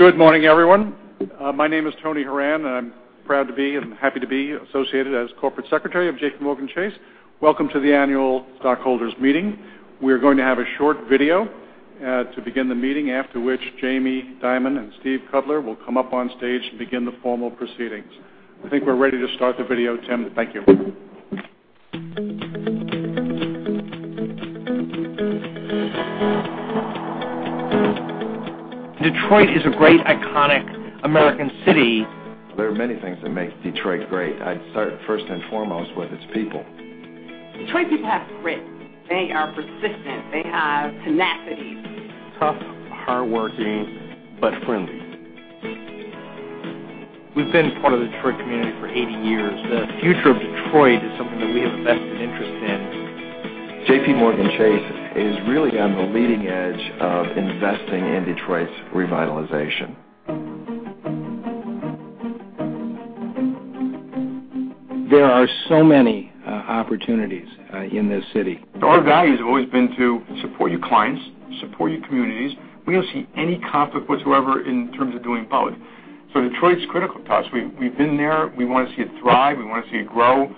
Good morning, everyone. My name is Anthony Horan, and I'm proud to be, and happy to be, associated as Corporate Secretary of JPMorgan Chase. Welcome to the annual stockholders meeting. We're going to have a short video to begin the meeting, after which Jamie Dimon and Stephen Cutler will come up on stage and begin the formal proceedings. I think we're ready to start the video, Tim. Thank you. Detroit is a great, iconic American city. There are many things that make Detroit great. I'd start first and foremost with its people. Detroit people have grit. They are persistent. They have tenacity. Tough, hardworking, but friendly. We've been part of the Detroit community for 80 years. The future of Detroit is something that we have a vested interest in. JPMorgan Chase is really on the leading edge of investing in Detroit's revitalization. There are so many opportunities in this city. Our values have always been to support your clients, support your communities. We don't see any conflict whatsoever in terms of doing both. Detroit's critical to us. We've been there. We want to see it thrive. We want to see it grow.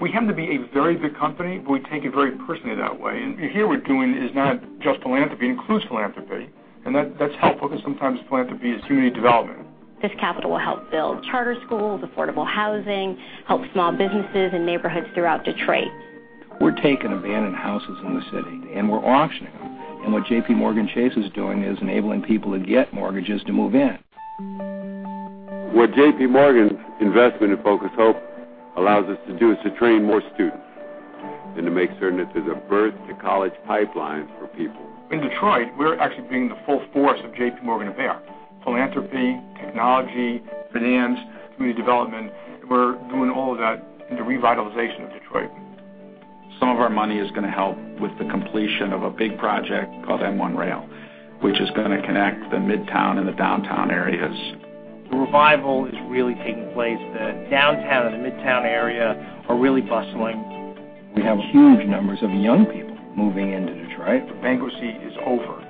We happen to be a very big company, but we take it very personally that way. Here what we're doing is not just philanthropy. It includes philanthropy, and that's helpful because sometimes philanthropy is community development. This capital will help build charter schools, affordable housing, help small businesses and neighborhoods throughout Detroit. We're taking abandoned houses in the city, and we're auctioning them, and what JPMorgan Chase is doing is enabling people to get mortgages to move in. What J.P. Morgan's investment in Focus: HOPE allows us to do is to train more students and to make certain that there's a birth-to-college pipeline for people. In Detroit, we're actually bringing the full force of JPMorgan to bear. Philanthropy, technology, finance, community development, we're doing all of that in the revitalization of Detroit. Some of our money is going to help with the completion of a big project called M-1 Rail, which is going to connect the Midtown and the Downtown areas. The revival is really taking place. The Downtown and the Midtown area are really bustling. We have huge numbers of young people moving into Detroit. The bankruptcy is over.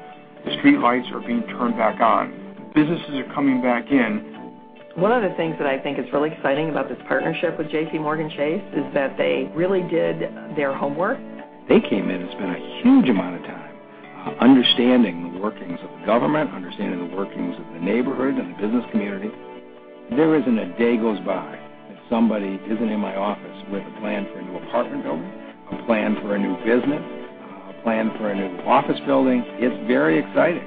The streetlights are being turned back on. Businesses are coming back in. One of the things that I think is really exciting about this partnership with JPMorgan Chase is that they really did their homework. They came in and spent a huge amount of time understanding the workings of the government, understanding the workings of the neighborhood and the business community. There isn't a day goes by that somebody isn't in my office with a plan for a new apartment building, a plan for a new business, a plan for a new office building. It's very exciting.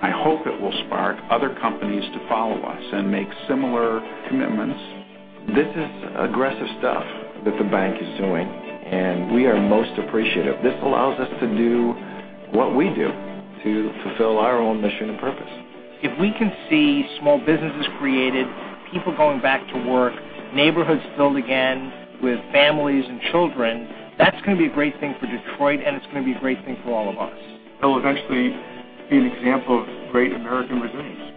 I hope it will spark other companies to follow us and make similar commitments. This is aggressive stuff that the bank is doing, and we are most appreciative. This allows us to do what we do to fulfill our own mission and purpose. If we can see small businesses created, people going back to work, neighborhoods filled again with families and children, that's going to be a great thing for Detroit, and it's going to be a great thing for all of us. It'll eventually be an example of great American resilience.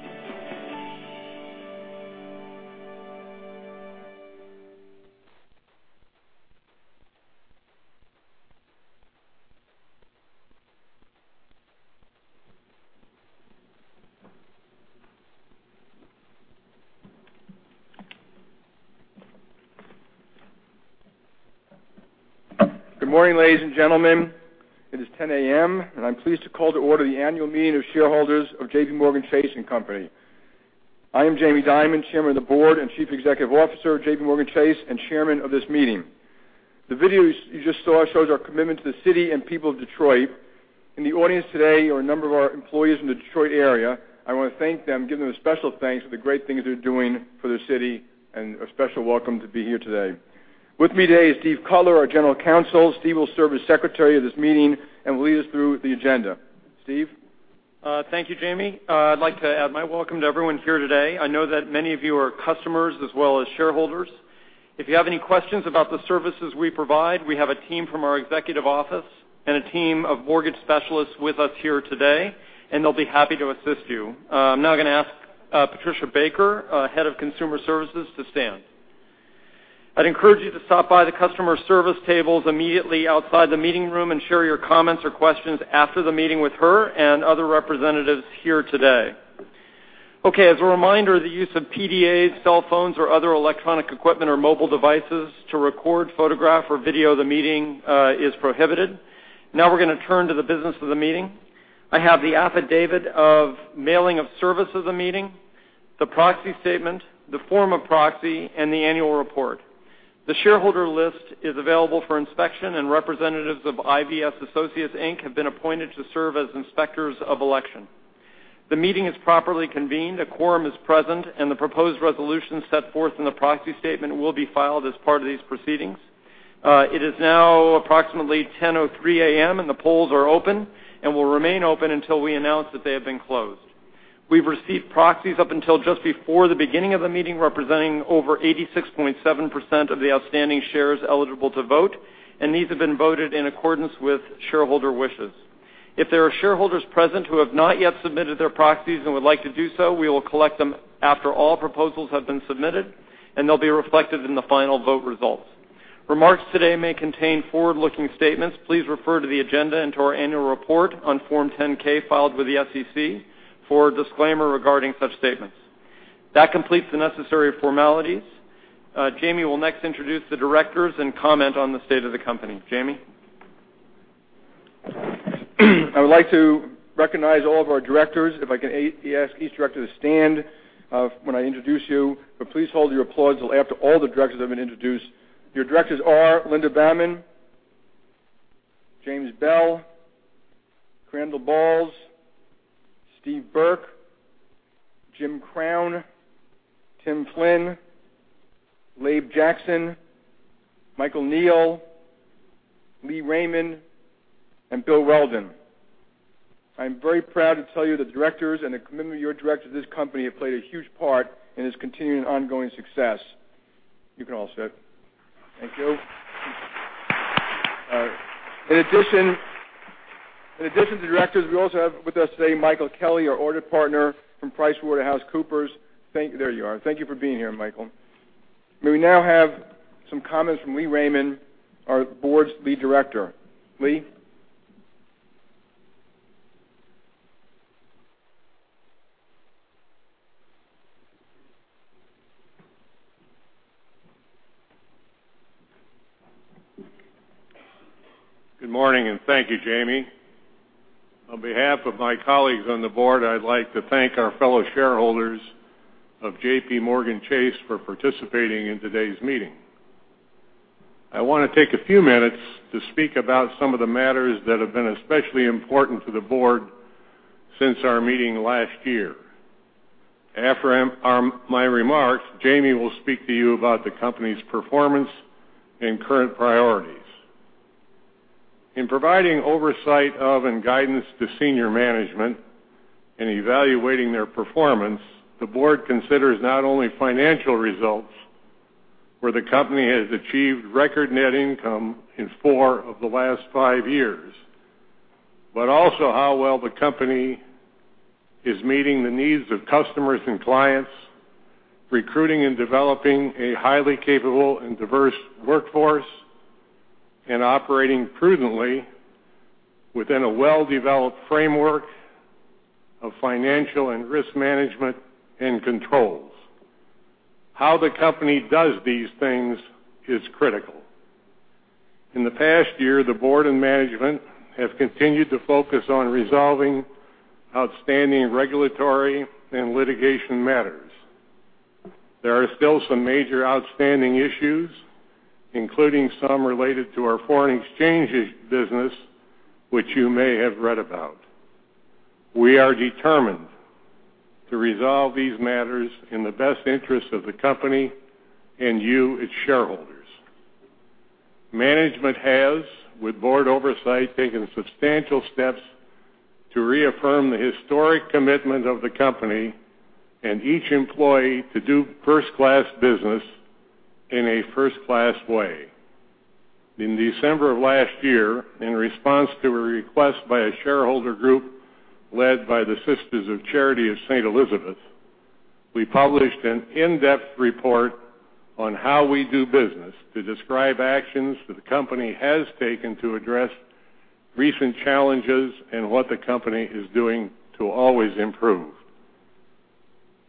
Good morning, ladies and gentlemen. It is 10:00 A.M., and I'm pleased to call to order the annual meeting of shareholders of JPMorgan Chase & Co. I am Jamie Dimon, Chairman of the Board and Chief Executive Officer of JPMorgan Chase, and Chairman of this meeting. The video you just saw shows our commitment to the city and people of Detroit. In the audience today are a number of our employees from the Detroit area. I want to thank them, give them a special thanks for the great things they're doing for the city, and a special welcome to be here today. With me today is Stephen Cutler, our general counsel. Steve will serve as secretary of this meeting and will lead us through the agenda. Steve? Thank you, Jamie. I'd like to add my welcome to everyone here today. I know that many of you are customers as well as shareholders. If you have any questions about the services we provide, we have a team from our executive office and a team of mortgage specialists with us here today, and they'll be happy to assist you. I'm now going to ask Patricia Baker, head of consumer services, to stand. I'd encourage you to stop by the customer service tables immediately outside the meeting room and share your comments or questions after the meeting with her and other representatives here today. Okay. As a reminder, the use of PDAs, cell phones, or other electronic equipment or mobile devices to record, photograph, or video the meeting is prohibited. Now we're going to turn to the business of the meeting. I have the affidavit of mailing of service of the meeting, the proxy statement, the form of proxy, and the annual report. The shareholder list is available for inspection. Representatives of IVS Associates, Inc. have been appointed to serve as inspectors of election. The meeting is properly convened, a quorum is present. The proposed resolution set forth in the proxy statement will be filed as part of these proceedings. It is now approximately 10:03 A.M., and the polls are open and will remain open until we announce that they have been closed. We've received proxies up until just before the beginning of the meeting, representing over 86.7% of the outstanding shares eligible to vote. These have been voted in accordance with shareholder wishes. If there are shareholders present who have not yet submitted their proxies and would like to do so, we will collect them after all proposals have been submitted, and they'll be reflected in the final vote results. Remarks today may contain forward-looking statements. Please refer to the agenda and to our annual report on Form 10-K filed with the SEC for a disclaimer regarding such statements. That completes the necessary formalities. Jamie will next introduce the directors and comment on the state of the company. Jamie? I would like to recognize all of our directors, if I can ask each director to stand when I introduce you, but please hold your applause till after all the directors have been introduced. Your directors are Linda Bammann, James Bell, Crandall Bowles, Steve Burke, Jim Crown, Tim Flynn, Laban Jackson, Michael Neal, Lee Raymond, and Bill Weldon. I'm very proud to tell you the directors and the commitment of your directors of this company have played a huge part in its continuing and ongoing success. You can all sit. Thank you. In addition to directors, we also have with us today Michael Kelly, our audit partner from PricewaterhouseCoopers. There you are. Thank you for being here, Michael. May we now have some comments from Lee Raymond, our board's lead director. Lee? Good morning, and thank you, Jamie. On behalf of my colleagues on the board, I'd like to thank our fellow shareholders of JPMorgan Chase for participating in today's meeting. I want to take a few minutes to speak about some of the matters that have been especially important to the board since our meeting last year. After my remarks, Jamie will speak to you about the company's performance and current priorities. In providing oversight of and guidance to senior management and evaluating their performance, the board considers not only financial results, where the company has achieved record net income in four of the last five years, but also how well the company is meeting the needs of customers and clients, recruiting and developing a highly capable and diverse workforce, and operating prudently within a well-developed framework of financial and risk management and controls. How the company does these things is critical. In the past year, the board and management have continued to focus on resolving outstanding regulatory and litigation matters. There are still some major outstanding issues, including some related to our foreign exchanges business, which you may have read about. We are determined to resolve these matters in the best interest of the company and you, its shareholders. Management has, with board oversight, taken substantial steps to reaffirm the historic commitment of the company and each employee to do first-class business in a first-class way. In December of last year, in response to a request by a shareholder group led by the Sisters of Charity of Saint Elizabeth, we published an in-depth report on How We Do Business to describe actions that the company has taken to address recent challenges and what the company is doing to always improve.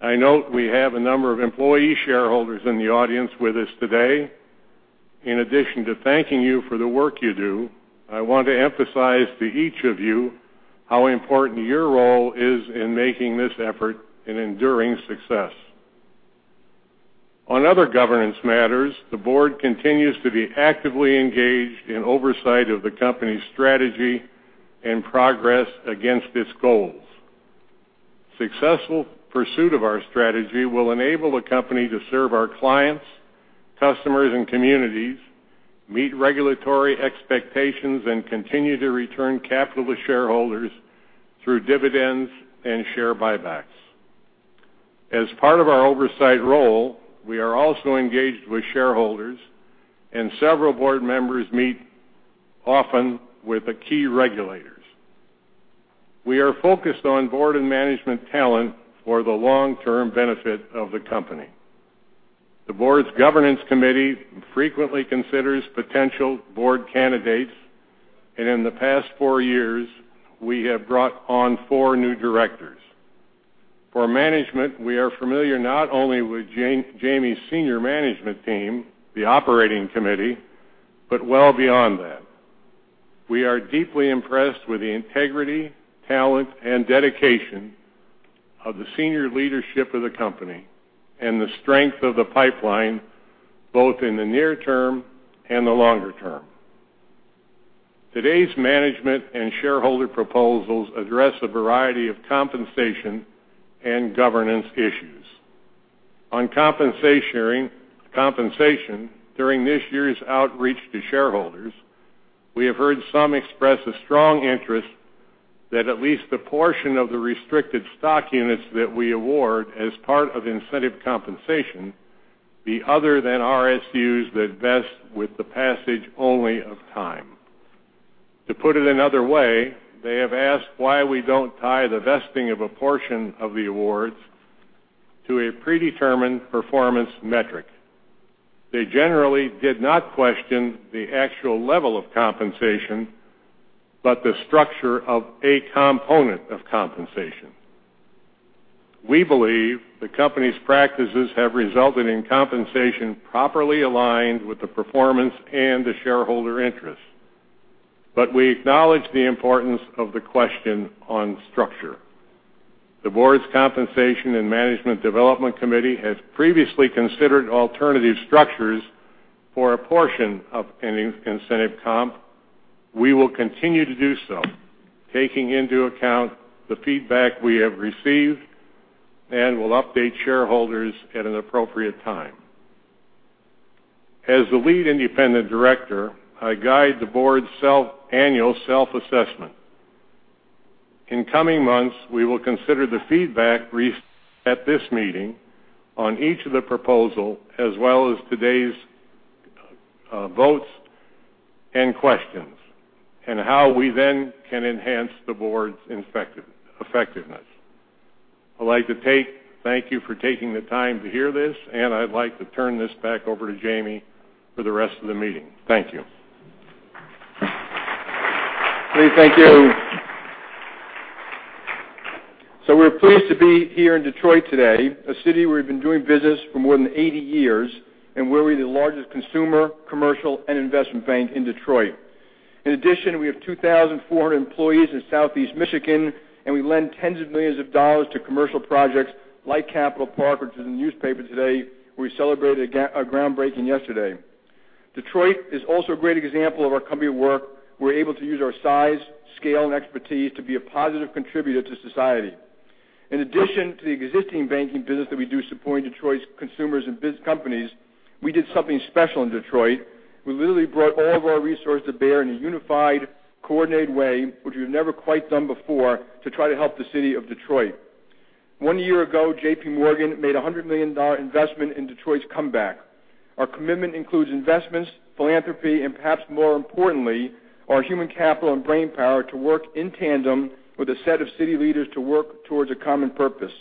I note we have a number of employee shareholders in the audience with us today. In addition to thanking you for the work you do, I want to emphasize to each of you how important your role is in making this effort an enduring success. On other governance matters, the board continues to be actively engaged in oversight of the company's strategy and progress against its goals. Successful pursuit of our strategy will enable the company to serve our clients, customers, and communities, meet regulatory expectations, and continue to return capital to shareholders through dividends and share buybacks. As part of our oversight role, we are also engaged with shareholders, and several board members meet often with the key regulators. We are focused on board and management talent for the long-term benefit of the company. The board's governance committee frequently considers potential board candidates, and in the past four years, we have brought on four new directors. For management, we are familiar not only with Jamie's senior management team, the operating committee, but well beyond that. We are deeply impressed with the integrity, talent, and dedication of the senior leadership of the company and the strength of the pipeline, both in the near term and the longer term. Today's management and shareholder proposals address a variety of compensation and governance issues. On compensation, during this year's outreach to shareholders, we have heard some express a strong interest that at least a portion of the restricted stock units that we award as part of incentive compensation be other than RSUs that vest with the passage only of time. To put it another way, they have asked why we don't tie the vesting of a portion of the awards to a predetermined performance metric. They generally did not question the actual level of compensation, but the structure of a component of compensation. We believe the company's practices have resulted in compensation properly aligned with the performance and the shareholder interest, but we acknowledge the importance of the question on structure. The board's compensation and Management Development Committee has previously considered alternative structures for a portion of any incentive comp. We will continue to do so, taking into account the feedback we have received, and we'll update shareholders at an appropriate time. As the lead independent director, I guide the board's annual self-assessment. In coming months, we will consider the feedback received at this meeting on each of the proposal, as well as today's votes and questions, and how we then can enhance the board's effectiveness. I'd like to thank you for taking the time to hear this, and I'd like to turn this back over to Jamie for the rest of the meeting. Thank you. We're pleased to be here in Detroit today, a city where we've been doing business for more than 80 years, and where we're the largest consumer, commercial, and investment bank in Detroit. In addition, we have 2,400 employees in Southeast Michigan, and we lend tens of millions of dollars to commercial projects like Capital Park, which is in the newspaper today. We celebrated a groundbreaking yesterday. Detroit is also a great example of our company work. We're able to use our size, scale, and expertise to be a positive contributor to society. In addition to the existing banking business that we do supporting Detroit's consumers and big companies, we did something special in Detroit. We literally brought all of our resources to bear in a unified, coordinated way, which we've never quite done before, to try to help the city of Detroit. One year ago, JPMorgan made a $100 million investment in Detroit's comeback. Our commitment includes investments, philanthropy, and perhaps more importantly, our human capital and brainpower to work in tandem with a set of city leaders to work towards a common purpose.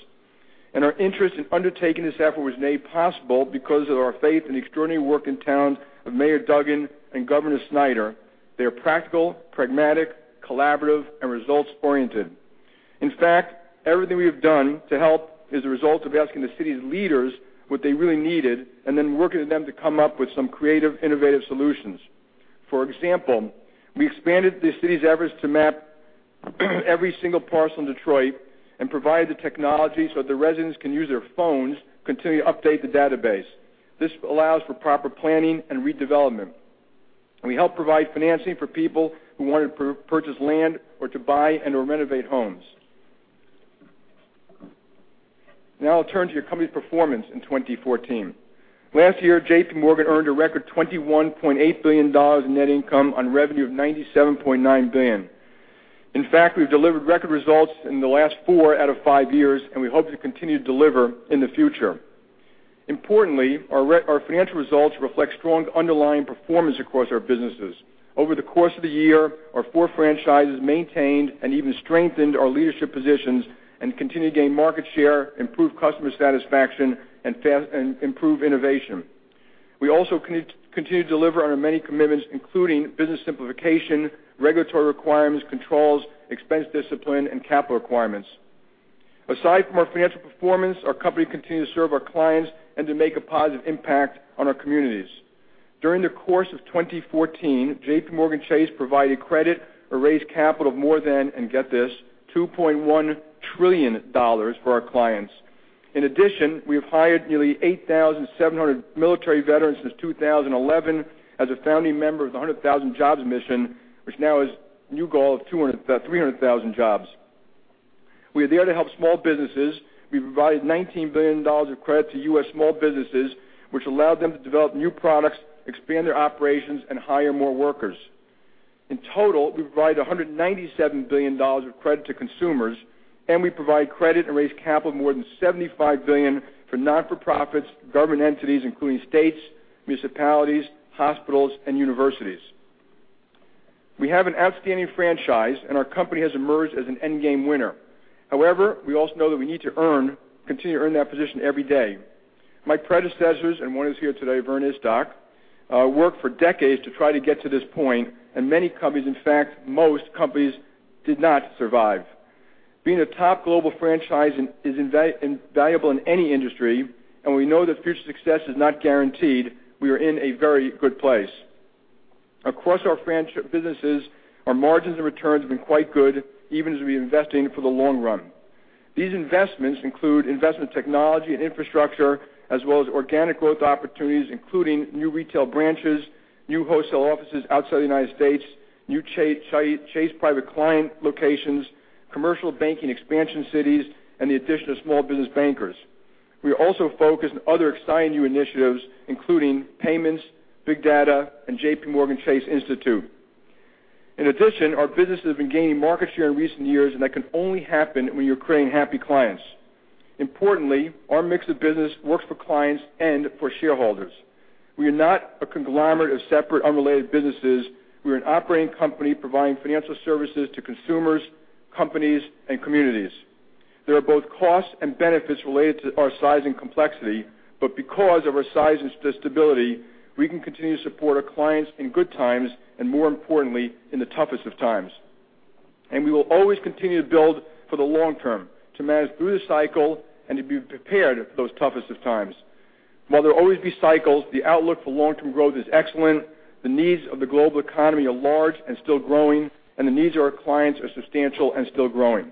Our interest in undertaking this effort was made possible because of our faith in the extraordinary work and talent of Mike Duggan and Rick Snyder. They are practical, pragmatic, collaborative, and results-oriented. In fact, everything we have done to help is a result of asking the city's leaders what they really needed and then working with them to come up with some creative, innovative solutions. For example, we expanded the city's efforts to map every single parcel in Detroit and provide the technology so that the residents can use their phones to continue to update the database. This allows for proper planning and redevelopment, and we help provide financing for people who want to purchase land or to buy and/or renovate homes. I'll turn to your company performance in 2014. Last year, JPMorgan earned a record $21.8 billion in net income on revenue of $97.9 billion. In fact, we've delivered record results in the last four out of five years, and we hope to continue to deliver in the future. Importantly, our financial results reflect strong underlying performance across our businesses. Over the course of the year, our four franchises maintained and even strengthened our leadership positions and continue to gain market share, improve customer satisfaction, and improve innovation. We also continue to deliver on our many commitments, including business simplification, regulatory requirements, controls, expense discipline, and capital requirements. Aside from our financial performance, our company continued to serve our clients and to make a positive impact on our communities. During the course of 2014, JPMorgan Chase provided credit or raised capital of more than, and get this, $2.1 trillion for our clients. In addition, we have hired nearly 8,700 military veterans since 2011 as a founding member of the 100,000 Jobs Mission, which now has a new goal of 300,000 jobs. We are there to help small businesses. We provided $19 billion of credit to U.S. small businesses, which allowed them to develop new products, expand their operations, and hire more workers. In total, we provided $197 billion of credit to consumers. We provide credit and raised capital of more than $75 billion for not-for-profits, government entities, including states, municipalities, hospitals, and universities. We have an outstanding franchise, our company has emerged as an endgame winner. However, we also know that we need to continue to earn that position every day. My predecessors, and one is here today, Vernon Oakes, worked for decades to try to get to this point. Many companies, in fact, most companies, did not survive. Being a top global franchise is invaluable in any industry. We know that future success is not guaranteed. We are in a very good place. Across our franchise businesses, our margins and returns have been quite good, even as we're investing for the long run. These investments include investment technology and infrastructure, as well as organic growth opportunities, including new retail branches, new wholesale offices outside the United States, new Chase Private Client locations, commercial banking expansion cities, the addition of small business bankers. We are also focused on other exciting new initiatives, including payments, big data, JPMorgan Chase Institute. In addition, our business has been gaining market share in recent years. That can only happen when you're creating happy clients. Importantly, our mix of business works for clients and for shareholders. We are not a conglomerate of separate unrelated businesses. We are an operating company providing financial services to consumers, companies, and communities. There are both costs and benefits related to our size and complexity, because of our size and stability, we can continue to support our clients in good times and, more importantly, in the toughest of times. We will always continue to build for the long term, to manage through the cycle, and to be prepared for those toughest of times. While there will always be cycles, the outlook for long-term growth is excellent. The needs of the global economy are large and still growing. The needs of our clients are substantial and still growing.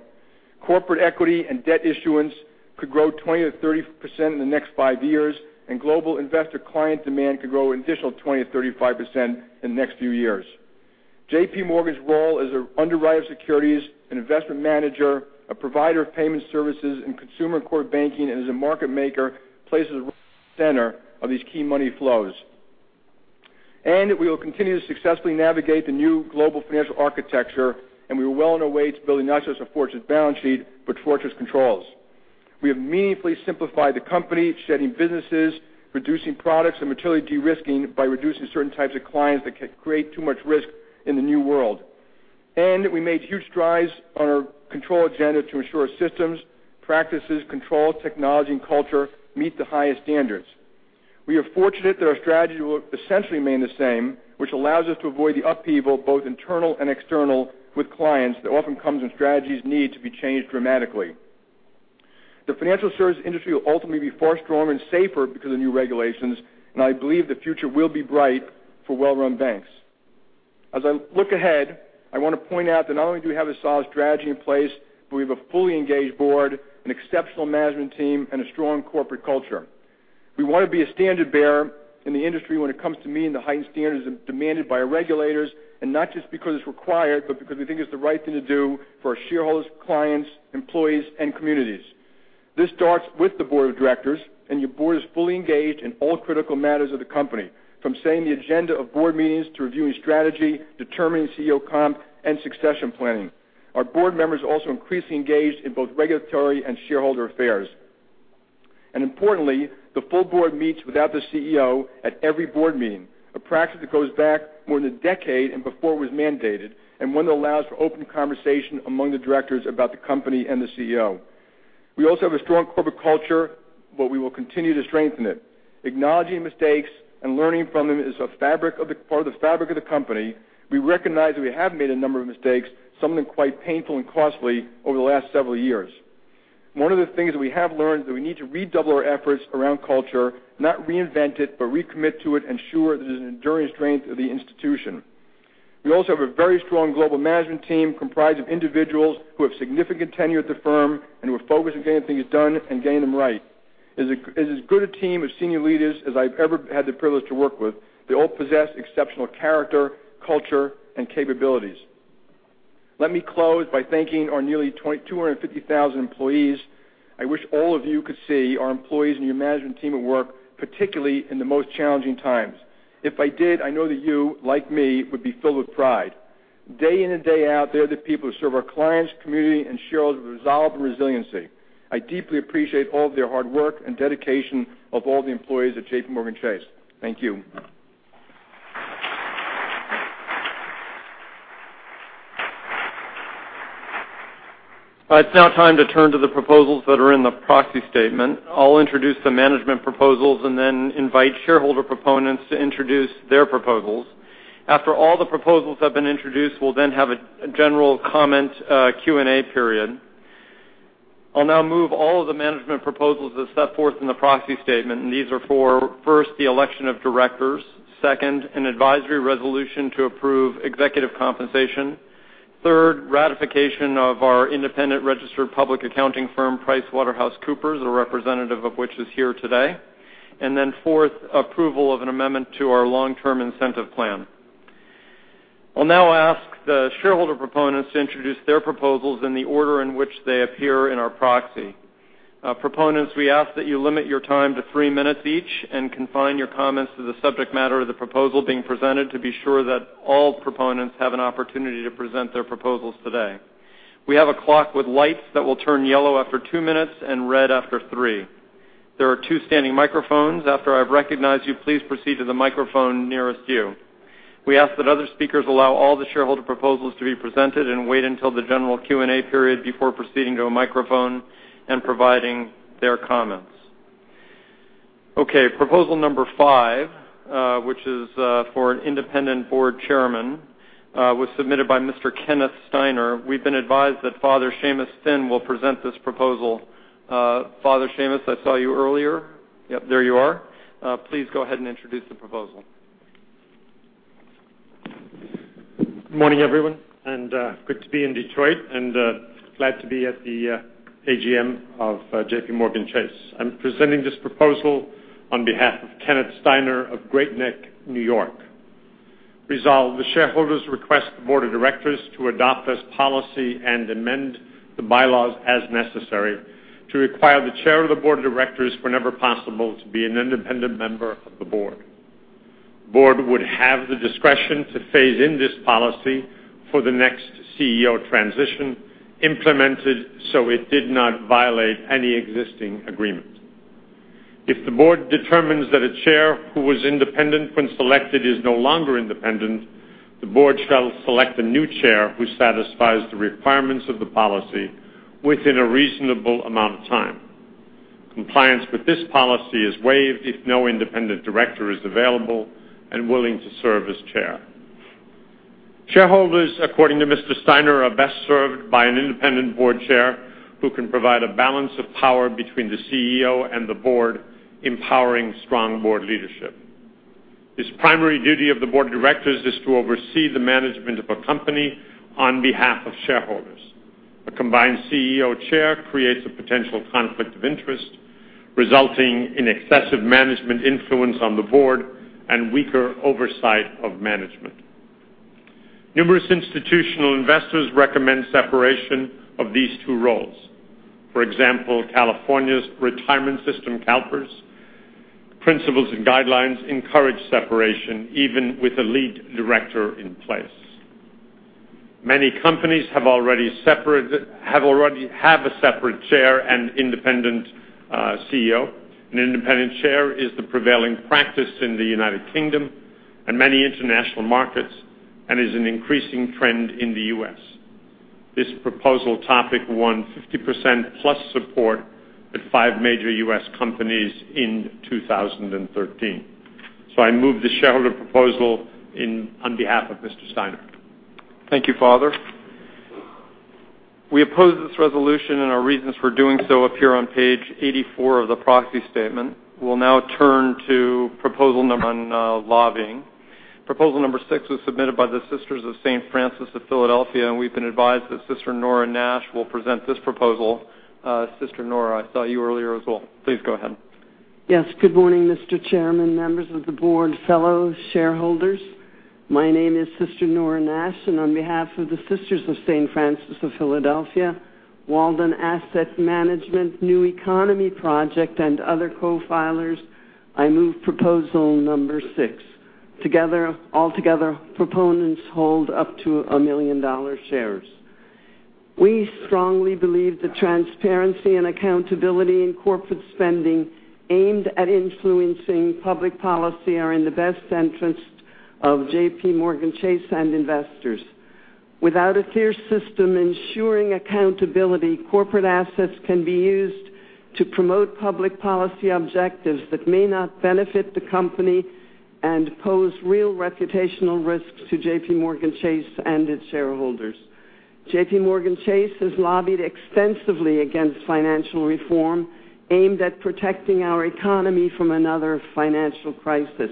Corporate equity and debt issuance could grow 20%-30% in the next five years. Global investor client demand could grow an additional 20%-35% in the next few years. JPMorgan's role as an underwriter of securities, an investment manager, a provider of payment services in consumer and core banking, and as a market maker, places it at the center of these key money flows. We will continue to successfully navigate the new global financial architecture. We are well on our way to building not just a fortress balance sheet, but fortress controls. We have meaningfully simplified the company, shedding businesses, reducing products, and materially de-risking by reducing certain types of clients that can create too much risk in the new world. We made huge strides on our control agenda to ensure systems, practices, controls, technology, and culture meet the highest standards. We are fortunate that our strategy will essentially remain the same, which allows us to avoid the upheaval, both internal and external, with clients that often comes when strategies need to be changed dramatically. The financial service industry will ultimately be far stronger and safer because of new regulations, and I believe the future will be bright for well-run banks. As I look ahead, I want to point out that not only do we have a solid strategy in place, but we have a fully engaged board, an exceptional management team, and a strong corporate culture. We want to be a standard-bearer in the industry when it comes to meeting the heightened standards demanded by our regulators, not just because it's required, but because we think it's the right thing to do for our shareholders, clients, employees, and communities. This starts with the board of directors, your board is fully engaged in all critical matters of the company, from setting the agenda of board meetings to reviewing strategy, determining CEO comp, and succession planning. Our board members are also increasingly engaged in both regulatory and shareholder affairs. Importantly, the full board meets without the CEO at every board meeting, a practice that goes back more than a decade and before it was mandated, and one that allows for open conversation among the directors about the company and the CEO. We also have a strong corporate culture, but we will continue to strengthen it. Acknowledging mistakes and learning from them is a part of the fabric of the company. We recognize that we have made a number of mistakes, some of them quite painful and costly, over the last several years. One of the things that we have learned is that we need to redouble our efforts around culture, not reinvent it, but recommit to it, ensure that it is an enduring strength of the institution. We also have a very strong global management team comprised of individuals who have significant tenure at the firm and who are focused on getting things done and getting them right. It is as good a team of senior leaders as I've ever had the privilege to work with. They all possess exceptional character, culture, and capabilities. Let me close by thanking our nearly 250,000 employees. I wish all of you could see our employees and your management team at work, particularly in the most challenging times. If I did, I know that you, like me, would be filled with pride. Day in and day out, they're the people who serve our clients, community, and shareholders with resolve and resiliency. I deeply appreciate all of their hard work and dedication of all the employees at JPMorgan Chase. Thank you. It's now time to turn to the proposals that are in the proxy statement. I'll introduce the management proposals and then invite shareholder proponents to introduce their proposals. After all the proposals have been introduced, we'll then have a general comment Q&A period. I'll now move all of the management proposals as set forth in the proxy statement, and these are for, first, the election of directors, second, an advisory resolution to approve executive compensation, third, ratification of our independent registered public accounting firm, PricewaterhouseCoopers, a representative of which is here today, and then fourth, approval of an amendment to our long-term incentive plan. I'll now ask the shareholder proponents to introduce their proposals in the order in which they appear in our proxy. Proponents, we ask that you limit your time to three minutes each and confine your comments to the subject matter of the proposal being presented to be sure that all proponents have an opportunity to present their proposals today. We have a clock with lights that will turn yellow after two minutes and red after three. There are two standing microphones. After I've recognized you, please proceed to the microphone nearest you. We ask that other speakers allow all the shareholder proposals to be presented and wait until the general Q&A period before proceeding to a microphone and providing their comments. Proposal number five, which is for an independent board chairman, was submitted by Mr. Kenneth Steiner. We've been advised that Father Séamus Finn will present this proposal. Father Séamus, I saw you earlier. Yep, there you are. Please go ahead and introduce the proposal. Morning, everyone, good to be in Detroit and glad to be at the AGM of JPMorgan Chase. I'm presenting this proposal on behalf of Kenneth Steiner of Great Neck, New York. Resolved, the shareholders request the board of directors to adopt this policy and amend the bylaws as necessary to require the chair of the board of directors, whenever possible, to be an independent member of the board. Board would have the discretion to phase in this policy for the next CEO transition implemented so it did not violate any existing agreement. If the board determines that a chair who was independent when selected is no longer independent, the board shall select a new chair who satisfies the requirements of the policy within a reasonable amount of time. Compliance with this policy is waived if no independent director is available and willing to serve as chair. Shareholders, according to Mr. Steiner, are best served by an independent board chair who can provide a balance of power between the CEO and the board, empowering strong board leadership. Its primary duty of the board of directors is to oversee the management of a company on behalf of shareholders. A combined CEO/chair creates a potential conflict of interest, resulting in excessive management influence on the board and weaker oversight of management. Numerous institutional investors recommend separation of these two roles. For example, California's Retirement System, CalPERS, principles, and guidelines encourage separation even with a lead director in place. Many companies have a separate chair and independent CEO. An independent chair is the prevailing practice in the U.K. and many international markets and is an increasing trend in the U.S. This proposal topic won 50% plus support at five major U.S. companies in 2013. I move the shareholder proposal on behalf of Mr. Steiner. Thank you, Father. We oppose this resolution. Our reasons for doing so appear on page 84 of the proxy statement. We'll now turn to proposal number on lobbying. Proposal number six was submitted by the Sisters of St. Francis of Philadelphia. We've been advised that Sister Nora Nash will present this proposal. Sister Nora, I saw you earlier as well. Please go ahead. Yes. Good morning, Mr. Chairman, members of the board, fellow shareholders. My name is Sister Nora Nash. On behalf of the Sisters of St. Francis of Philadelphia, Walden Asset Management, New Economy Project, and other co-filers, I move proposal number six. Altogether, proponents hold up to 1 million dollar shares. We strongly believe that transparency and accountability in corporate spending aimed at influencing public policy are in the best interest of JPMorgan Chase and investors. Without a clear system ensuring accountability, corporate assets can be used to promote public policy objectives that may not benefit the company and pose real reputational risks to JPMorgan Chase and its shareholders. JPMorgan Chase has lobbied extensively against financial reform aimed at protecting our economy from another financial crisis.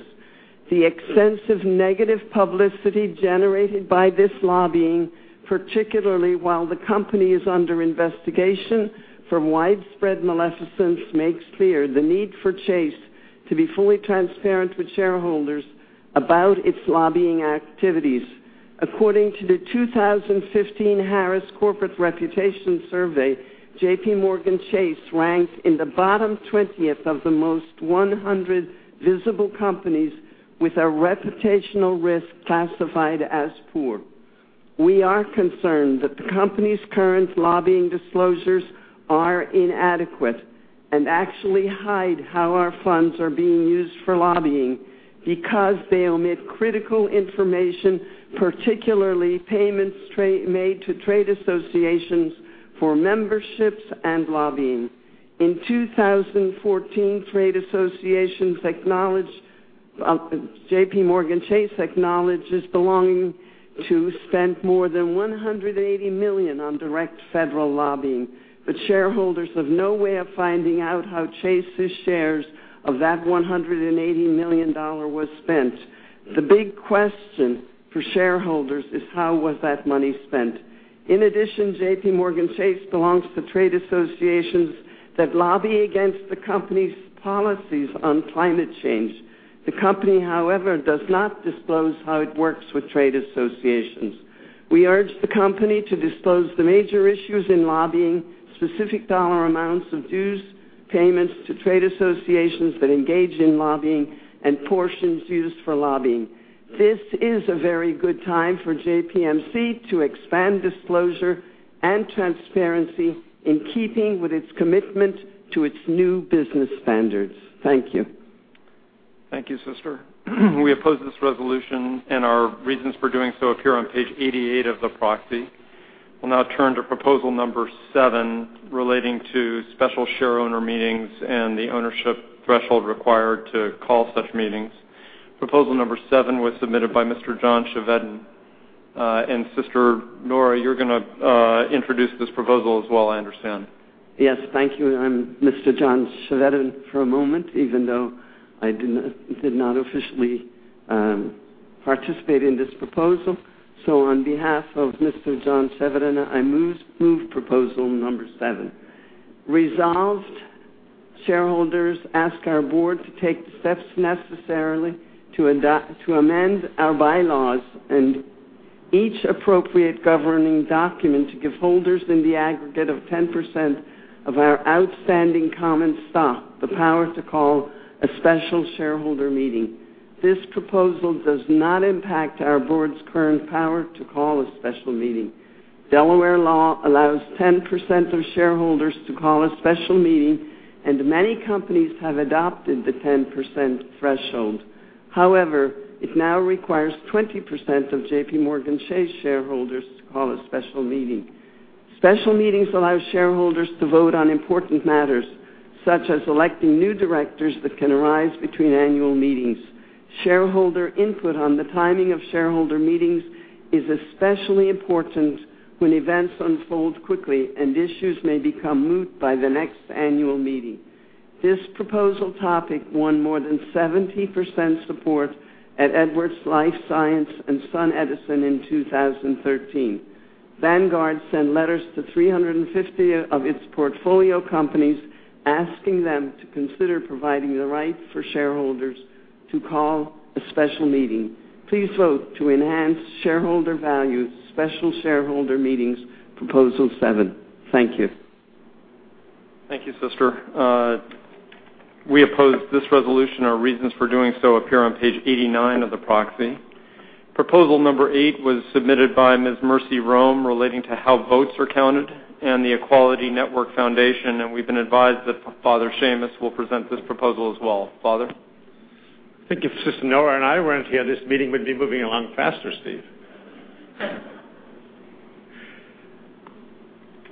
The extensive negative publicity generated by this lobbying, particularly while the company is under investigation for widespread malfeasance, makes clear the need for Chase to be fully transparent with shareholders about its lobbying activities. According to the 2015 Harris Poll Reputation Quotient, JPMorgan Chase ranked in the bottom 20th of the most 100 visible companies with a reputational risk classified as poor. We are concerned that the company's current lobbying disclosures are inadequate and actually hide how our funds are being used for lobbying because they omit critical information, particularly payments made to trade associations for memberships and lobbying. In 2014, JPMorgan Chase acknowledges belonging to spent more than $180 million on direct federal lobbying. Shareholders have no way of finding out how Chase's shares of that $180 million was spent. The big question for shareholders is how was that money spent? In addition, JPMorgan Chase belongs to trade associations that lobby against the company's policies on climate change. The company, however, does not disclose how it works with trade associations. We urge the company to disclose the major issues in lobbying, specific dollar amounts of dues, payments to trade associations that engage in lobbying, and portions used for lobbying. This is a very good time for JPMC to expand disclosure and transparency in keeping with its commitment to its new business standards. Thank you. Thank you, Sister. We oppose this resolution, and our reasons for doing so appear on page 88 of the proxy. We'll now turn to proposal number seven relating to special shareowner meetings and the ownership threshold required to call such meetings. Proposal number seven was submitted by Mr. John Chevedden. Sister Nora, you're going to introduce this proposal as well, I understand. Yes. Thank you. I'm Mr. John Chevedden for a moment, even though I did not officially participate in this proposal. On behalf of Mr. John Chevedden, I move proposal number seven. Resolved, shareholders ask our board to take the steps necessarily to amend our bylaws. Each appropriate governing document to give holders in the aggregate of 10% of our outstanding common stock the power to call a special shareholder meeting. This proposal does not impact our board's current power to call a special meeting. Delaware law allows 10% of shareholders to call a special meeting, and many companies have adopted the 10% threshold. However, it now requires 20% of JPMorgan Chase shareholders to call a special meeting. Special meetings allow shareholders to vote on important matters, such as selecting new directors that can arise between annual meetings. Shareholder input on the timing of shareholder meetings is especially important when events unfold quickly and issues may become moot by the next annual meeting. This proposal topic won more than 70% support at Edwards Lifesciences and SunEdison in 2013. Vanguard sent letters to 350 of its portfolio companies, asking them to consider providing the right for shareholders to call a special meeting. Please vote to enhance shareholder value special shareholder meetings, proposal seven. Thank you. Thank you, Sister. We oppose this resolution. Our reasons for doing so appear on page 89 of the proxy. Proposal number eight was submitted by Ms. Mercy Rome, relating to how votes are counted and the Equality Network Foundation. We've been advised that Father Séamus will present this proposal as well. Father? I think if Sister Nora Nash and I weren't here, this meeting would be moving along faster, Steve.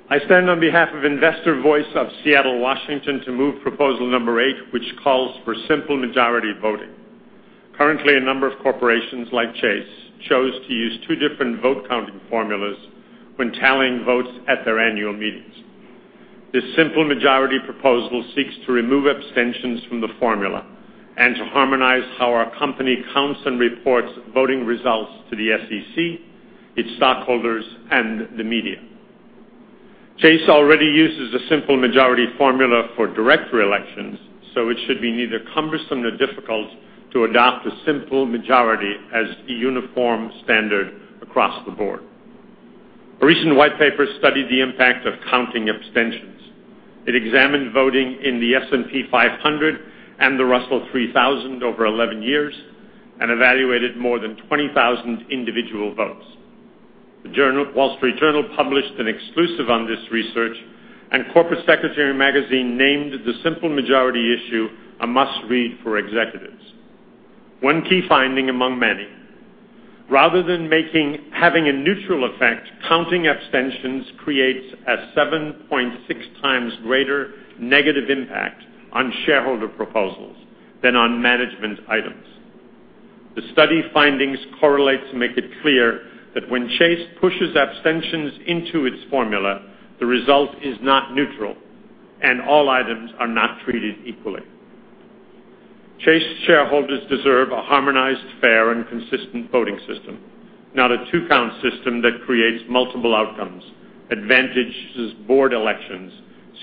I stand on behalf of Investor Voice of Seattle, Washington, to move proposal number eight, which calls for simple majority voting. Currently, a number of corporations like Chase chose to use two different vote counting formulas when tallying votes at their annual meetings. This simple majority proposal seeks to remove abstentions from the formula and to harmonize how our company counts and reports voting results to the SEC, its stockholders, and the media. Chase already uses a simple majority formula for director elections, so it should be neither cumbersome or difficult to adopt a simple majority as a uniform standard across the board. A recent white paper studied the impact of counting abstentions. It examined voting in the S&P 500 and the Russell 3000 over 11 years and evaluated more than 20,000 individual votes. The Wall Street Journal published an exclusive on this research. Corporate Secretary Magazine named the simple majority issue a must-read for executives. One key finding among many, rather than having a neutral effect, counting abstentions creates a 7.6 times greater negative impact on shareholder proposals than on management items. The study findings correlates make it clear that when Chase pushes abstentions into its formula, the result is not neutral, and all items are not treated equally. Chase shareholders deserve a harmonized, fair, and consistent voting system, not a two-count system that creates multiple outcomes, advantages board elections,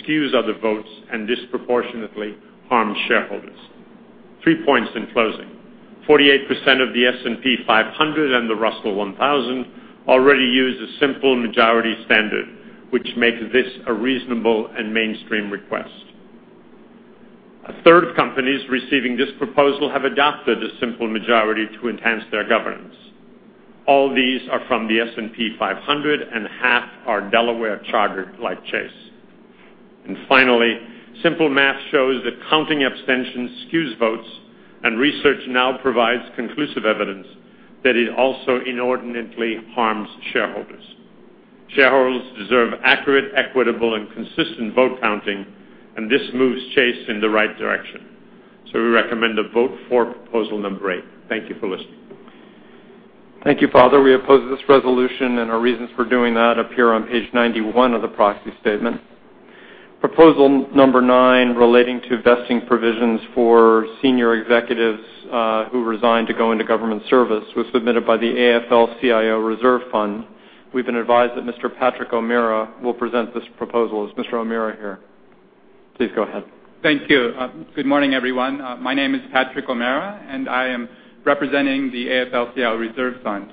skews other votes, and disproportionately harms shareholders. Three points in closing. 48% of the S&P 500 and the Russell 1000 already use a simple majority standard, which makes this a reasonable and mainstream request. A third of companies receiving this proposal have adopted a simple majority to enhance their governance. All these are from the S&P 500, and half are Delaware-chartered like Chase. Finally, simple math shows that counting abstentions skews votes, and research now provides conclusive evidence that it also inordinately harms shareholders. Shareholders deserve accurate, equitable, and consistent vote counting. We recommend a vote for proposal number eight. Thank you for listening. Thank you, Father. We oppose this resolution, our reasons for doing that appear on page 91 of the proxy statement. Proposal number nine relating to vesting provisions for senior executives who resigned to go into government service was submitted by the AFL-CIO Reserve Fund. We've been advised that Mr. Patrick O'Meara will present this proposal. Is Mr. O'Meara here? Please go ahead. Thank you. Good morning, everyone. My name is Patrick O'Meara, I am representing the AFL-CIO Reserve Fund.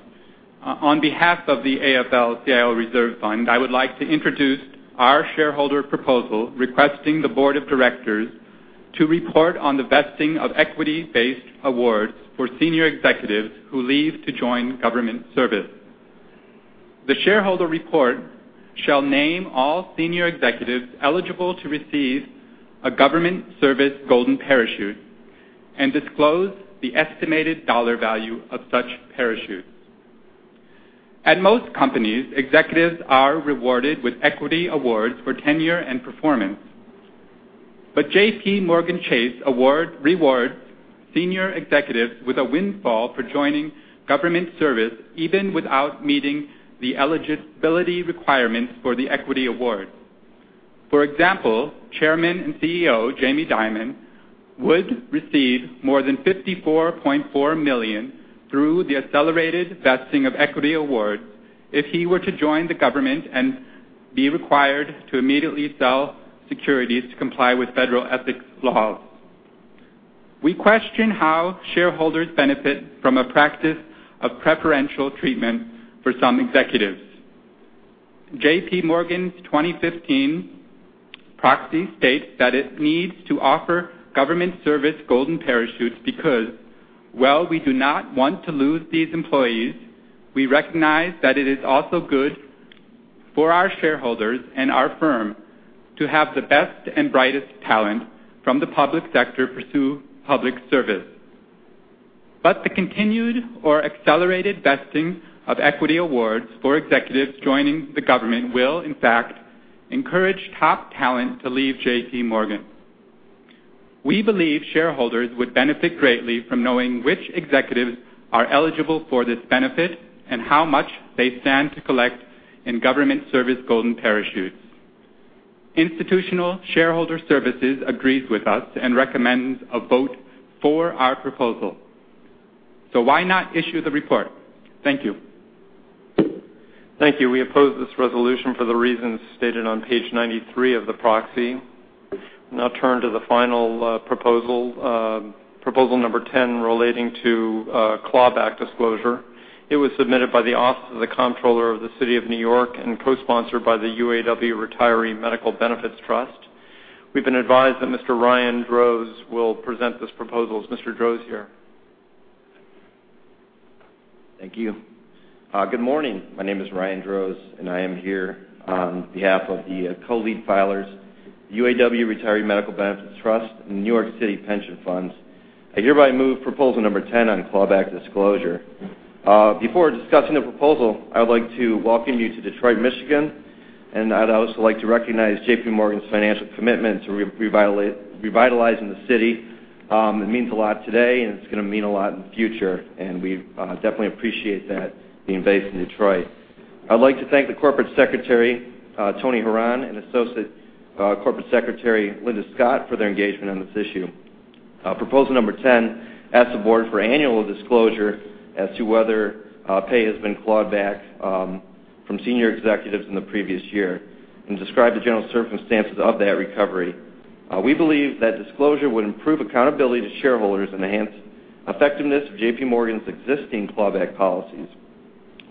On behalf of the AFL-CIO Reserve Fund, I would like to introduce our shareholder proposal, requesting the board of directors to report on the vesting of equity-based awards for senior executives who leave to join government service. The shareholder report shall name all senior executives eligible to receive a government service golden parachute and disclose the estimated dollar value of such parachute. At most companies, executives are rewarded with equity awards for tenure and performance. JPMorgan Chase rewards senior executives with a windfall for joining government service, even without meeting the eligibility requirements for the equity award. For example, Chairman and CEO Jamie Dimon would receive more than $54.4 million through the accelerated vesting of equity awards if he were to join the government and be required to immediately sell securities to comply with federal ethics laws. We question how shareholders benefit from a practice of preferential treatment for some executives. JPMorgan's 2015 proxy states that it needs to offer government service golden parachutes because, while we do not want to lose these employees, we recognize that it is also good for our shareholders and our firm to have the best and brightest talent from the public sector pursue public service. The continued or accelerated vesting of equity awards for executives joining the government will, in fact, encourage top talent to leave JPMorgan. We believe shareholders would benefit greatly from knowing which executives are eligible for this benefit and how much they stand to collect in government service golden parachutes. Institutional Shareholder Services agrees with us, recommends a vote for our proposal. Why not issue the report? Thank you. Thank you. We oppose this resolution for the reasons stated on page 93 of the proxy. Now turn to the final proposal number 10 relating to claw-back disclosure. It was submitted by the Office of the Comptroller of the City of New York and co-sponsored by the UAW Retiree Medical Benefits Trust. We've been advised that Mr. Ryan Drozd will present this proposal. Is Mr. Drozd here? Thank you. Good morning. My name is Ryan Drozd, I am here on behalf of the co-lead filers, UAW Retiree Medical Benefits Trust, and New York City Pension Funds. I hereby move proposal number 10 on claw-back disclosure. Before discussing the proposal, I would like to welcome you to Detroit, Michigan, I'd also like to recognize JPMorgan's financial commitment to revitalizing the city. It means a lot today, it's going to mean a lot in the future, we definitely appreciate that being based in Detroit. I'd like to thank the corporate secretary, Tony Horan, and associate corporate secretary, Linda Scott, for their engagement on this issue. Proposal number 10 asks the board for annual disclosure as to whether pay has been clawed back from senior executives in the previous year and describe the general circumstances of that recovery. We believe that disclosure would improve accountability to shareholders and enhance effectiveness of JPMorgan's existing claw-back policies,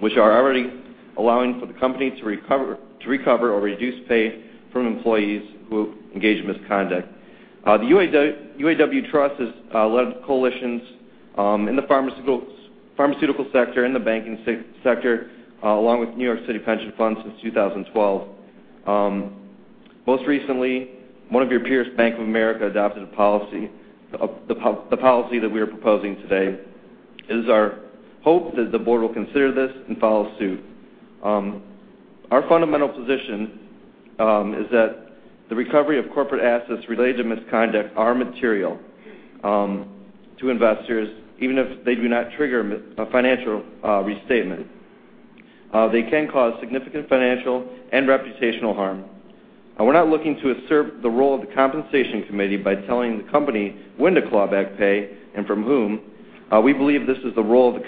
which are already allowing for the company to recover or reduce pay from employees who engage in misconduct. The UAW Trust has led coalitions in the pharmaceutical sector, in the banking sector, along with New York City Pension Funds since 2012. Most recently, one of your peers, Bank of America, adopted the policy that we are proposing today. It is our hope that the board will consider this and follow suit. Our fundamental position is that the recovery of corporate assets related to misconduct are material to investors, even if they do not trigger a financial restatement. They can cause significant financial and reputational harm. We're not looking to usurp the role of the compensation committee by telling the company when to claw back pay and from whom. We believe this is the role of the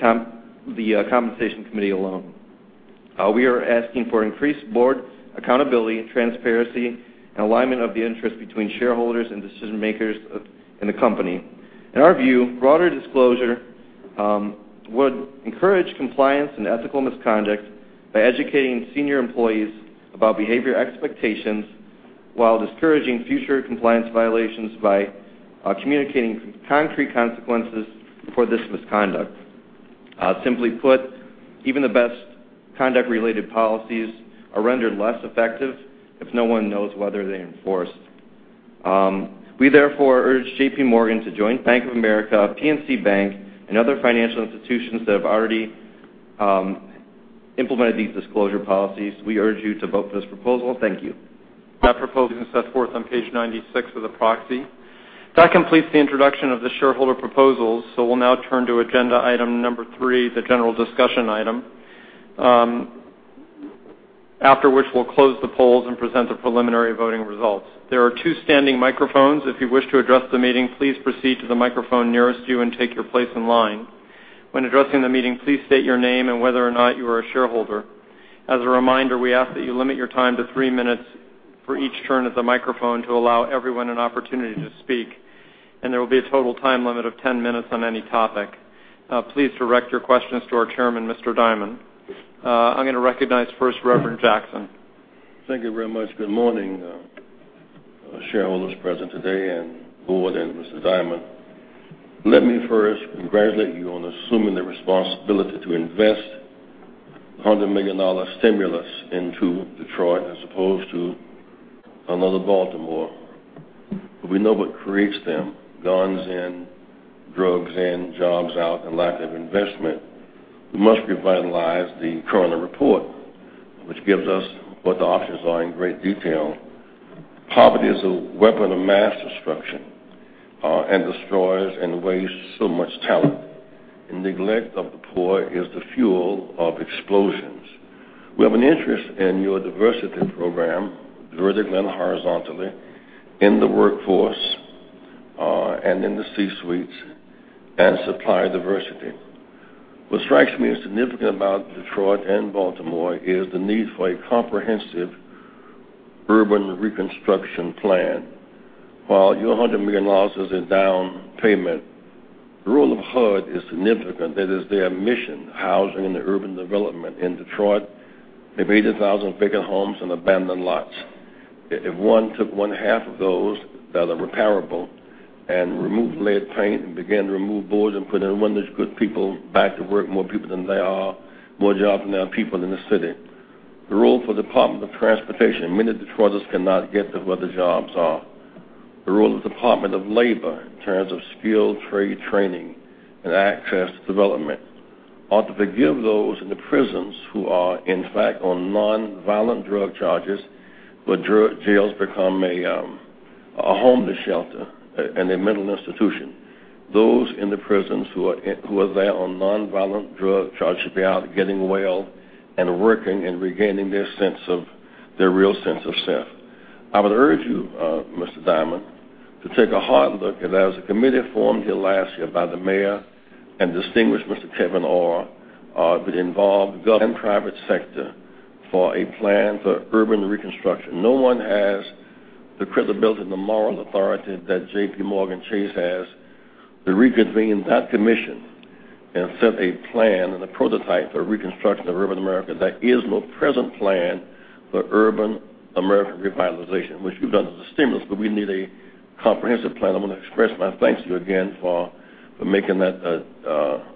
compensation committee alone. We are asking for increased board accountability, transparency, and alignment of the interest between shareholders and decision-makers in the company. In our view, broader disclosure would encourage compliance and ethical misconduct by educating senior employees about behavior expectations, while discouraging future compliance violations by communicating concrete consequences for this misconduct. Simply put, even the best conduct-related policies are rendered less effective if no one knows whether they're enforced. We therefore urge JPMorgan to join Bank of America, PNC Bank, and other financial institutions that have already implemented these disclosure policies. We urge you to vote for this proposal. Thank you. That proposal is set forth on page 96 of the proxy. That completes the introduction of the shareholder proposals. We'll now turn to agenda item number 3, the general discussion item, after which we'll close the polls and present the preliminary voting results. There are two standing microphones. If you wish to address the meeting, please proceed to the microphone nearest you and take your place in line. When addressing the meeting, please state your name and whether or not you are a shareholder. As a reminder, we ask that you limit your time to three minutes for each turn at the microphone to allow everyone an opportunity to speak, and there will be a total time limit of 10 minutes on any topic. Please direct your questions to our Chairman, Mr. Dimon. I'm going to recognize first Reverend Jackson. Thank you very much. Good morning, shareholders present today, and board, and Mr. Dimon. Let me first congratulate you on assuming the responsibility to invest $100 million stimulus into Detroit as opposed to another Baltimore. We know what creates them, guns in, drugs in, jobs out, and lack of investment. We must revitalize the Kerner Report, which gives us what the options are in great detail. Poverty is a weapon of mass destruction, and destroys and wastes so much talent, and neglect of the poor is the fuel of explosions. We have an interest in your diversity program, vertically and horizontally in the workforce, and in the C-suites, and supplier diversity. What strikes me as significant about Detroit and Baltimore is the need for a comprehensive urban reconstruction plan. While your $100 million loss is a down payment, the role of HUD is significant. That is their mission, housing and urban development. In Detroit, they have 80,000 vacant homes and abandoned lots. If one took one half of those that are repairable and removed lead paint and began to remove boards and put in windows, good people back to work, more people than there are, more jobs than there are people in the city. The role for Department of Transportation, many Detroiters cannot get to where the jobs are. The role of Department of Labor in terms of skilled trade training and access to development, or to forgive those in the prisons who are, in fact, on nonviolent drug charges. Drug jails become a homeless shelter and a mental institution. Those in the prisons who are there on nonviolent drug charges should be out getting well and working and regaining their real sense of self. I would urge you, Mr. Dimon, to take a hard look at, as a committee formed here last year by the mayor and distinguished Mr. Kevyn Orr, that involved government and private sector for a plan for urban reconstruction. No one has the credibility and the moral authority that JPMorgan Chase has to reconvene that commission and set a plan and a prototype for reconstructing urban America. There is no present plan for urban American revitalization, which you've done as a stimulus. We need a comprehensive plan. I want to express my thanks to you again for making that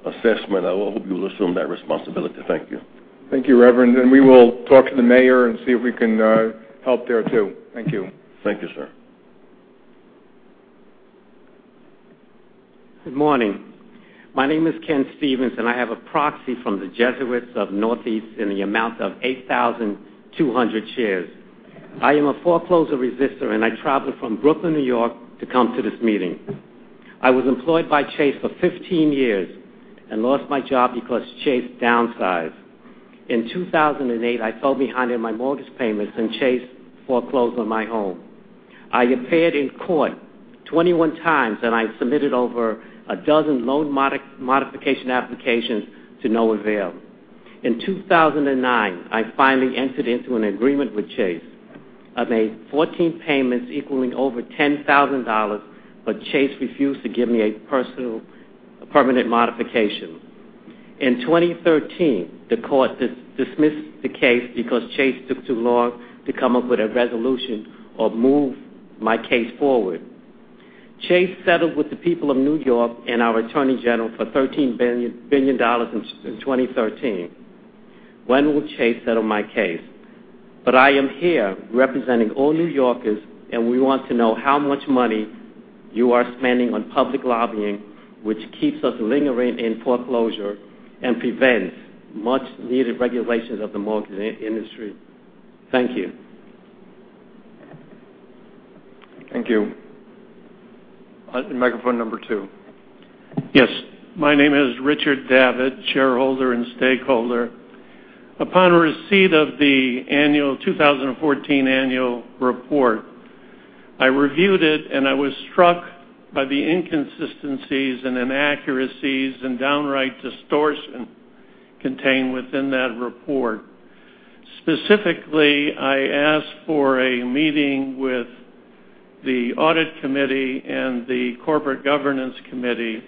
assessment. I hope you'll assume that responsibility. Thank you. Thank you, Reverend, we will talk to the mayor and see if we can help there too. Thank you. Thank you, sir. Good morning. My name is Ken Stevens, and I have a proxy from the Jesuits of Northeast in the amount of 8,200 shares. I am a foreclosure resister, and I traveled from Brooklyn, New York, to come to this meeting. I was employed by Chase for 15 years and lost my job because Chase downsized. In 2008, I fell behind in my mortgage payments, and Chase foreclosed on my home. I appeared in court 21 times, and I submitted over a dozen loan modification applications to no avail. In 2009, I finally entered into an agreement with Chase. I made 14 payments equaling over $10,000, but Chase refused to give me a personal permanent modification. In 2013, the court dismissed the case because Chase took too long to come up with a resolution or move my case forward. Chase settled with the people of New York and our attorney general for $13 billion in 2013. When will Chase settle my case? I am here representing all New Yorkers, and we want to know how much money you are spending on public lobbying, which keeps us lingering in foreclosure and prevents much-needed regulations of the mortgage industry. Thank you. Thank you. Microphone number 2. Yes. My name is Richard Davitt, shareholder and stakeholder. Upon receipt of the 2014 annual report, I reviewed it, and I was struck by the inconsistencies and inaccuracies and downright distortion contained within that report. Specifically, I asked for a meeting with the Audit Committee and the Corporate Governance Committee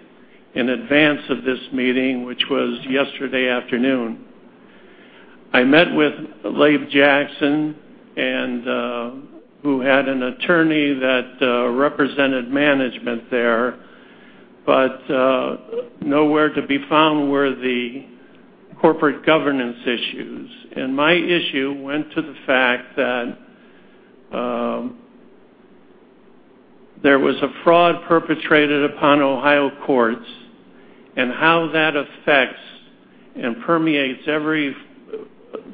in advance of this meeting, which was yesterday afternoon. I met with Laban Jackson, who had an attorney that represented management there, but nowhere to be found were the corporate governance issues. My issue went to the fact that there was a fraud perpetrated upon Ohio courts and how that affects and permeates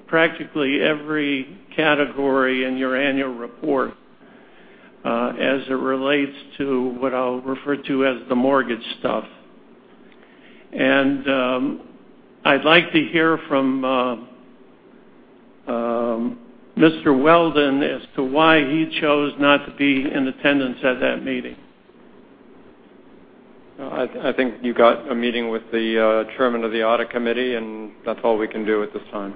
practically every category in your annual report as it relates to what I'll refer to as the mortgage stuff. I'd like to hear from Mr. Weldon as to why he chose not to be in attendance at that meeting. I think you got a meeting with the chairman of the Audit Committee, that's all we can do at this time.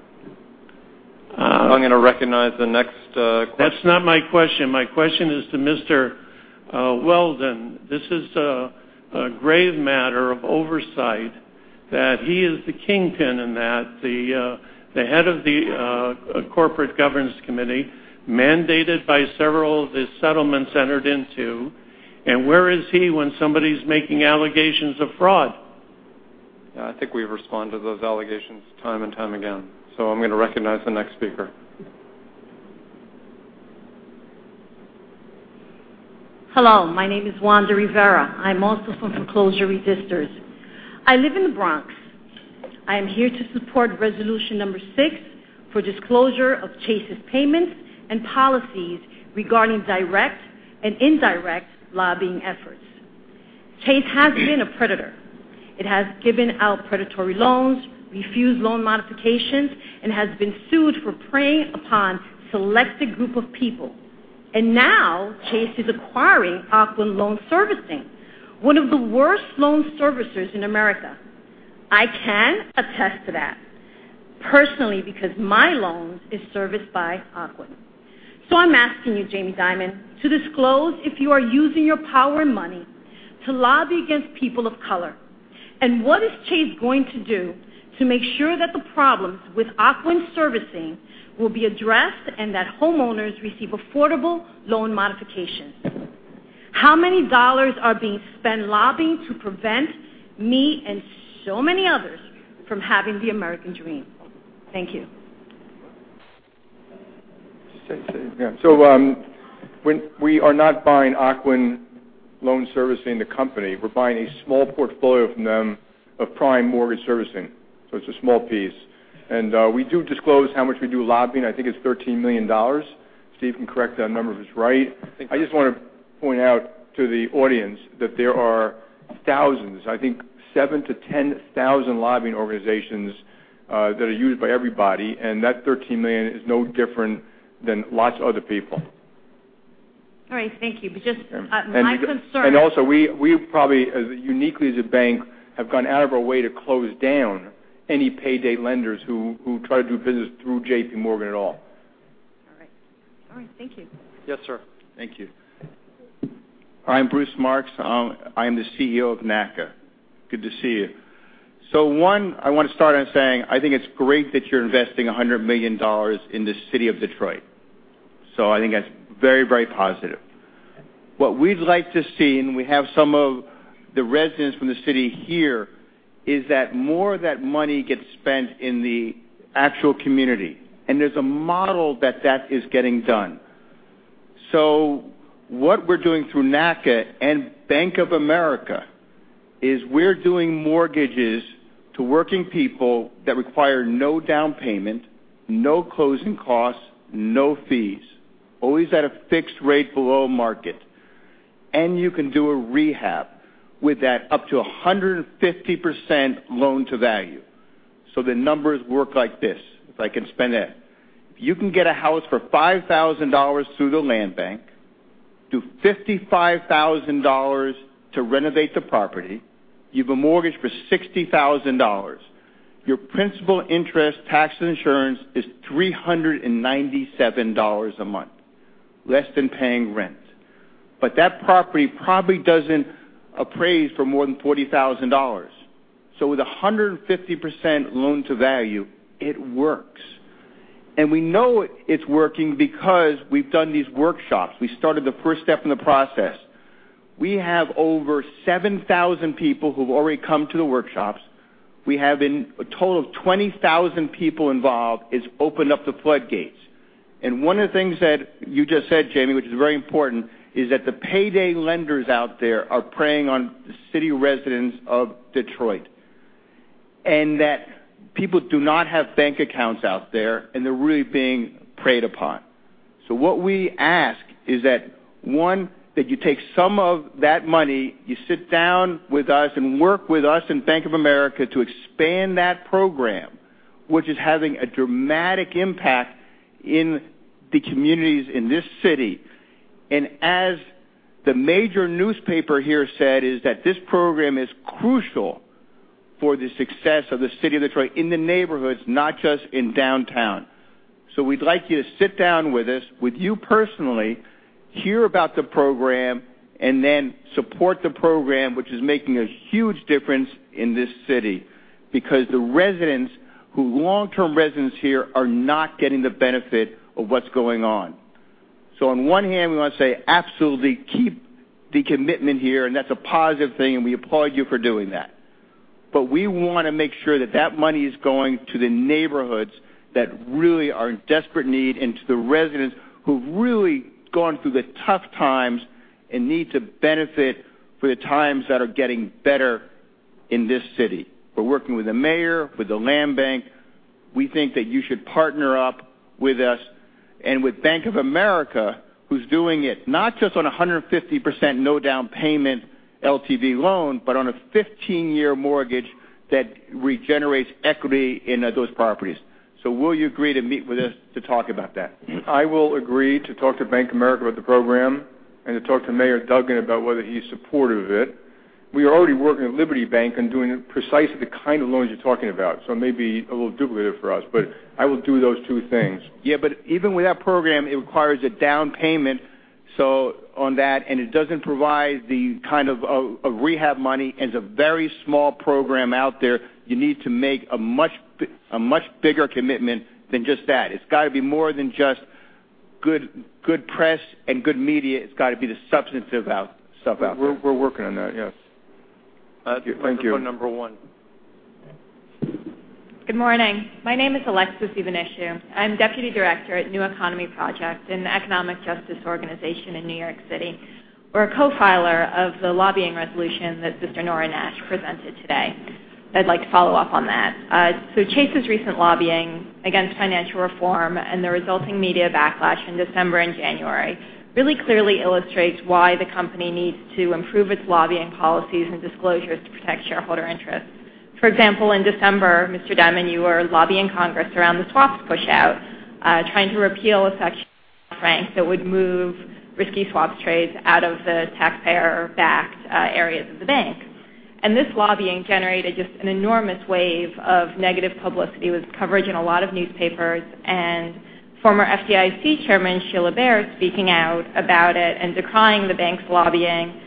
I'm going to recognize the next That's not my question. My question is to Mr. Weldon. This is a grave matter of oversight that he is the kingpin in that, the head of the Corporate Governance Committee, mandated by several of the settlements entered into. Where is he when somebody's making allegations of fraud? I think we've responded to those allegations time and time again. I'm going to recognize the next speaker. Hello, my name is Wanda Rivera. I'm also from Foreclosure Resisters. I live in the Bronx. I am here to support resolution number 6 for disclosure of Chase's payments and policies regarding direct and indirect lobbying efforts. Chase has been a predator. It has given out predatory loans, refused loan modifications, and has been sued for preying upon selected group of people. Now Chase is acquiring Ocwen Loan Servicing, one of the worst loan servicers in America. I can attest to that personally because my loan is serviced by Ocwen. I'm asking you, Jamie Dimon, to disclose if you are using your power and money to lobby against people of color. What is Chase going to do to make sure that the problems with Ocwen servicing will be addressed and that homeowners receive affordable loan modifications? How many dollars are being spent lobbying to prevent me and so many others from having the American dream? Thank you. We are not buying Ocwen Loan Servicing, the company. We're buying a small portfolio from them of prime mortgage servicing. It's a small piece. We do disclose how much we do lobbying. I think it's $13 million. Steve can correct that number if it's right. I think that's- I just want to point out to the audience that there are thousands, I think 7,000-10,000 lobbying organizations that are used by everybody, and that $13 million is no different than lots of other people. All right. Thank you. Also, we probably, as uniquely as a bank, have gone out of our way to close down any payday lenders who try to do business through JPMorgan at all. All right. Thank you. Yes, sir. Thank you. I'm Bruce Marks. I'm the CEO of NACA. Good to see you. One, I want to start on saying, I think it's great that you're investing $100 million in the city of Detroit. I think that's very, very positive. What we'd like to see, and we have some of the residents from the city here, is that more of that money gets spent in the actual community, and there's a model that that is getting done. What we're doing through NACA and Bank of America is we're doing mortgages to working people that require no down payment, no closing costs, no fees, always at a fixed rate below market. You can do a rehab with that up to 150% loan-to-value. The numbers work like this. If I can spin it. If you can get a house for $5,000 through the Land Bank, do $55,000 to renovate the property, you've a mortgage for $60,000. Your principal interest, tax insurance is $397 a month, less than paying rent. That property probably doesn't appraise for more than $40,000. With 150% loan-to-value, it works. We know it's working because we've done these workshops. We started the first step in the process. We have over 7,000 people who've already come to the workshops. We have a total of 20,000 people involved. It's opened up the floodgates. One of the things that you just said, Jamie, which is very important, is that the payday lenders out there are preying on the city residents of Detroit, and that people do not have bank accounts out there, and they're really being preyed upon. What we ask is that, one, that you take some of that money, you sit down with us and work with us and Bank of America to expand that program, which is having a dramatic impact in the communities in this city. As the major newspaper here said, is that this program is crucial for the success of the City of Detroit in the neighborhoods, not just in downtown. We'd like you to sit down with us, with you personally, hear about the program, and then support the program, which is making a huge difference in this city. The residents who are long-term residents here are not getting the benefit of what's going on. On one hand, we want to say, absolutely keep the commitment here, and that's a positive thing, and we applaud you for doing that. We want to make sure that that money is going to the neighborhoods that really are in desperate need and to the residents who've really gone through the tough times and need to benefit for the times that are getting better in this city. We're working with the mayor, with the Land Bank. We think that you should partner up with us and with Bank of America, who's doing it not just on 150% no down payment LTV loan, but on a 15-year mortgage that regenerates equity in those properties. Will you agree to meet with us to talk about that? I will agree to talk to Bank of America about the program and to talk to Mike Duggan about whether he's supportive of it. We are already working with Liberty Bank and doing precisely the kind of loans you're talking about. It may be a little duplicative for us, but I will do those two things. Yeah, even with that program, it requires a down payment on that, it doesn't provide the kind of rehab money, it's a very small program out there. You need to make a much bigger commitment than just that. It's got to be more than just good press and good media. It's got to be the substantive stuff out there. We're working on that, yes. Thank you. Let's go number one. Good morning. My name is Alexis Evenechu. I'm Deputy Director at New Economy Project, an economic justice organization in New York City. We're a co-filer of the lobbying resolution that Sister Nora Nash presented today. I'd like to follow up on that. Chase's recent lobbying against financial reform and the resulting media backlash in December and January really clearly illustrates why the company needs to improve its lobbying policies and disclosures to protect shareholder interests. For example, in December, Mr. Dimon, you were lobbying Congress around the swaps pushout, trying to repeal a section Dodd-Frank, that would move risky swaps trades out of the taxpayer-backed areas of the bank. This lobbying generated just an enormous wave of negative publicity. It was coverage in a lot of newspapers, and former FDIC Chairman Sheila Bair speaking out about it and decrying the bank's lobbying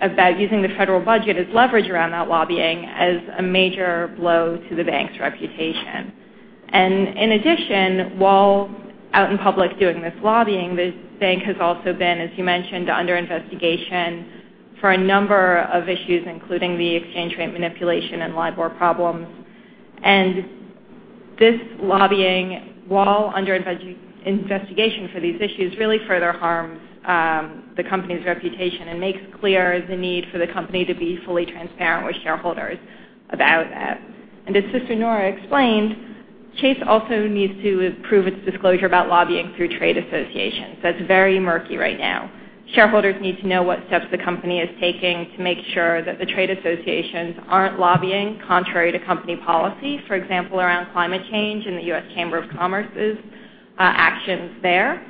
about using the federal budget as leverage around that lobbying as a major blow to the bank's reputation. In addition, while out in public doing this lobbying, the bank has also been, as you mentioned, under investigation for a number of issues, including the exchange rate manipulation and LIBOR problems. This lobbying, while under investigation for these issues, really further harms the company's reputation and makes clear the need for the company to be fully transparent with shareholders about that. As Sister Nora explained, Chase also needs to improve its disclosure about lobbying through trade associations. That's very murky right now. Shareholders need to know what steps the company is taking to make sure that the trade associations aren't lobbying contrary to company policy. For example, around climate change and the U.S. Chamber of Commerce's actions there.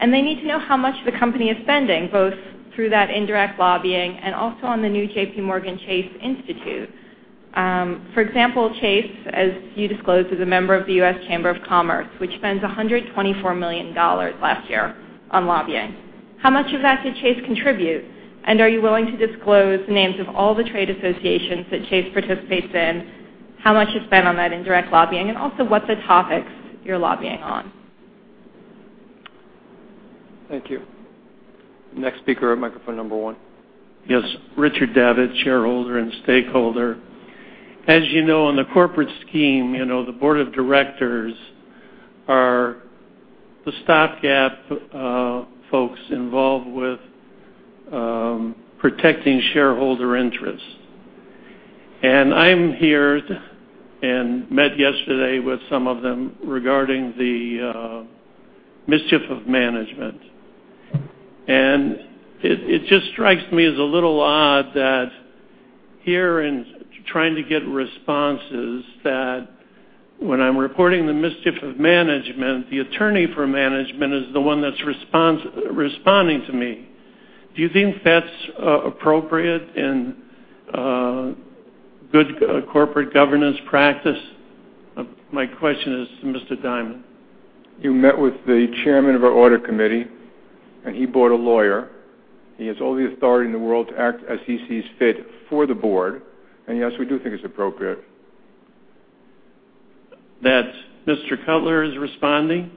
They need to know how much the company is spending, both through that indirect lobbying and also on the new JPMorgan Chase Institute. For example, Chase, as you disclosed, is a member of the U.S. Chamber of Commerce, which spends $124 million last year on lobbying. How much of that did Chase contribute? Are you willing to disclose the names of all the trade associations that Chase participates in, how much you spend on that indirect lobbying, and also what the topics you're lobbying on? Thank you. Next speaker at microphone number 1. Yes, Richard Davitt, shareholder and stakeholder. As you know, in the corporate scheme, the board of directors are the stopgap folks involved with protecting shareholder interests. I'm here and met yesterday with some of them regarding the mischief of management. It just strikes me as a little odd that here, in trying to get responses, that when I'm reporting the mischief of management, the attorney for management is the one that's responding to me. Do you think that's appropriate in good corporate governance practice? My question is to Mr. Dimon. You met with the chairman of our audit committee. He brought a lawyer. He has all the authority in the world to act as he sees fit for the board. Yes, we do think it's appropriate. That Mr. Cutler is responding?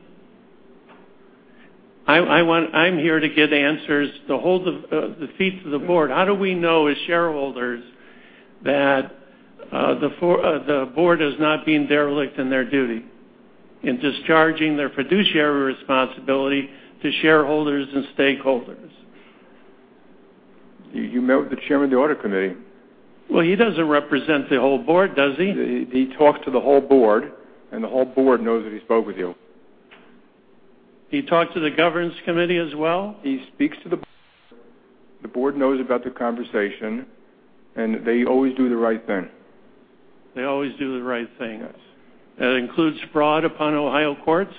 I'm here to get answers to hold the feet to the board. How do we know as shareholders that the board has not been derelict in their duty in discharging their fiduciary responsibility to shareholders and stakeholders? You met with the chairman of the audit committee. Well, he doesn't represent the whole board, does he? He talked to the whole board, and the whole board knows that he spoke with you. He talked to the governance committee as well? He speaks to the board. The board knows about the conversation, and they always do the right thing. They always do the right thing. Yes. That includes fraud upon Ohio courts.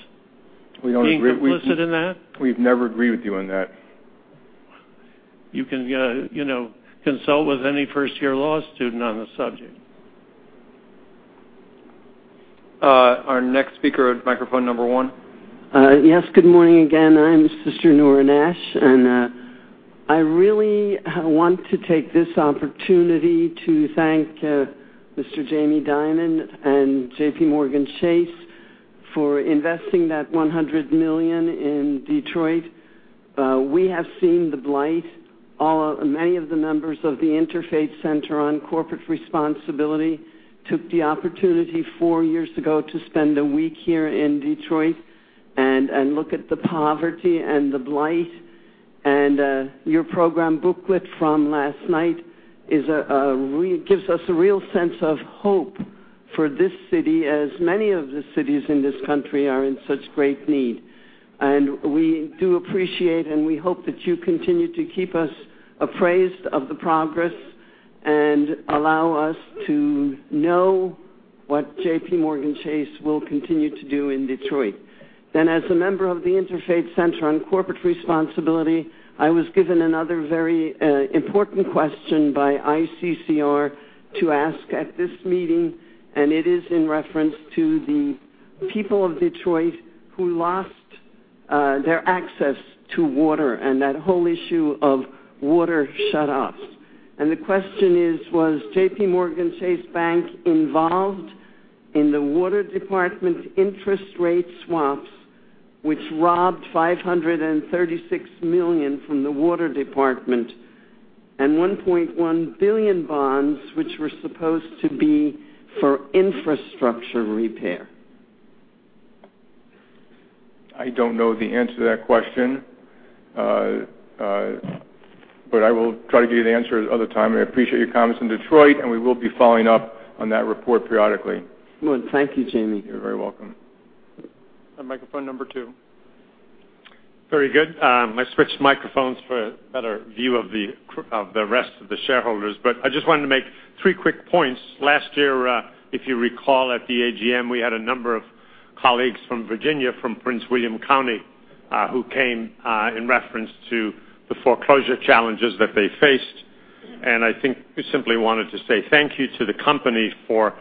We don't agree- being complicit in that? We've never agreed with you on that. You can consult with any first-year law student on the subject. Our next speaker at microphone number one. Yes, good morning again. I am Sister Nora Nash, and I really want to take this opportunity to thank Mr. Jamie Dimon and JPMorgan Chase for investing that $100 million in Detroit. We have seen the blight. Many of the members of the Interfaith Center on Corporate Responsibility took the opportunity four years ago to spend a week here in Detroit and look at the poverty and the blight. Your program booklet from last night gives us a real sense of hope for this city as many of the cities in this country are in such great need. We do appreciate, and we hope that you continue to keep us appraised of the progress and allow us to know what JPMorgan Chase will continue to do in Detroit. As a member of the Interfaith Center on Corporate Responsibility, I was given another very important question by ICCR to ask at this meeting, and it is in reference to the people of Detroit who lost their access to water and that whole issue of water shutoffs. The question is: Was JPMorgan Chase Bank involved in the water department's interest rate swaps, which robbed $536 million from the water department and $1.1 billion bonds, which were supposed to be for infrastructure repair? I don't know the answer to that question. I will try to get you an answer at another time. I appreciate your comments on Detroit, and we will be following up on that report periodically. Good. Thank you, Jamie. You're very welcome. Microphone number 2. Very good. I switched microphones for a better view of the rest of the shareholders. I just wanted to make three quick points. Last year, if you recall, at the AGM, we had a number of colleagues from Virginia, from Prince William County, who came in reference to the foreclosure challenges that they faced I think we simply wanted to say thank you to the company for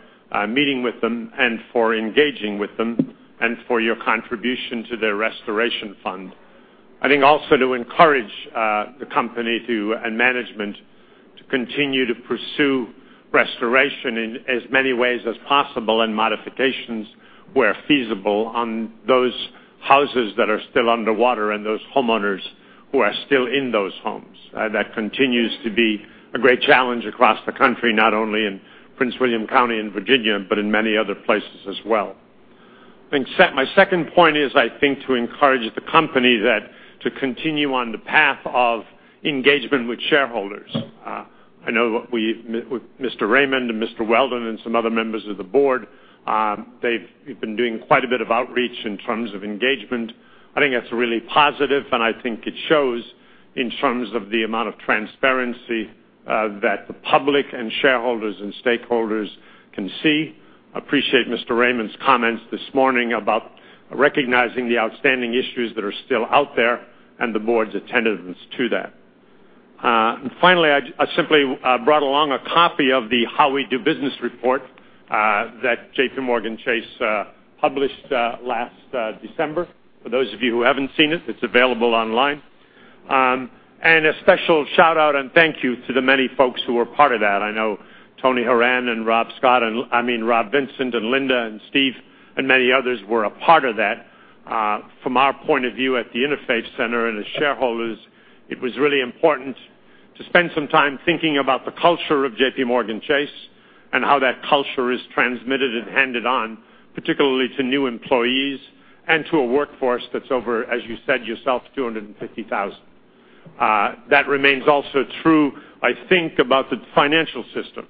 meeting with them and for engaging with them, and for your contribution to their restoration fund. I think also to encourage the company and management to continue to pursue restoration in as many ways as possible, and modifications where feasible on those houses that are still underwater and those homeowners who are still in those homes. That continues to be a great challenge across the country, not only in Prince William County in Virginia, but in many other places as well. I think my second point is, I think to encourage the company to continue on the path of engagement with shareholders. I know with Mr. Raymond and Mr. Weldon and some other members of the board, they've been doing quite a bit of outreach in terms of engagement. I think that's really positive, and I think it shows in terms of the amount of transparency that the public and shareholders and stakeholders can see. Appreciate Mr. Raymond's comments this morning about recognizing the outstanding issues that are still out there and the board's attentiveness to that. Finally, I simply brought along a copy of the How We Do Business report, that JPMorgan Chase published last December. For those of you who haven't seen it's available online. A special shout-out and thank you to the many folks who were part of that. I know Anthony Horan and Rob Scott, and I mean Rob Vincent and Linda and Steve and many others were a part of that. From our point of view at the Interfaith Center and as shareholders, it was really important to spend some time thinking about the culture of JPMorgan Chase and how that culture is transmitted and handed on, particularly to new employees and to a workforce that's over, as you said yourself, 250,000. That remains also true, I think, about the financial system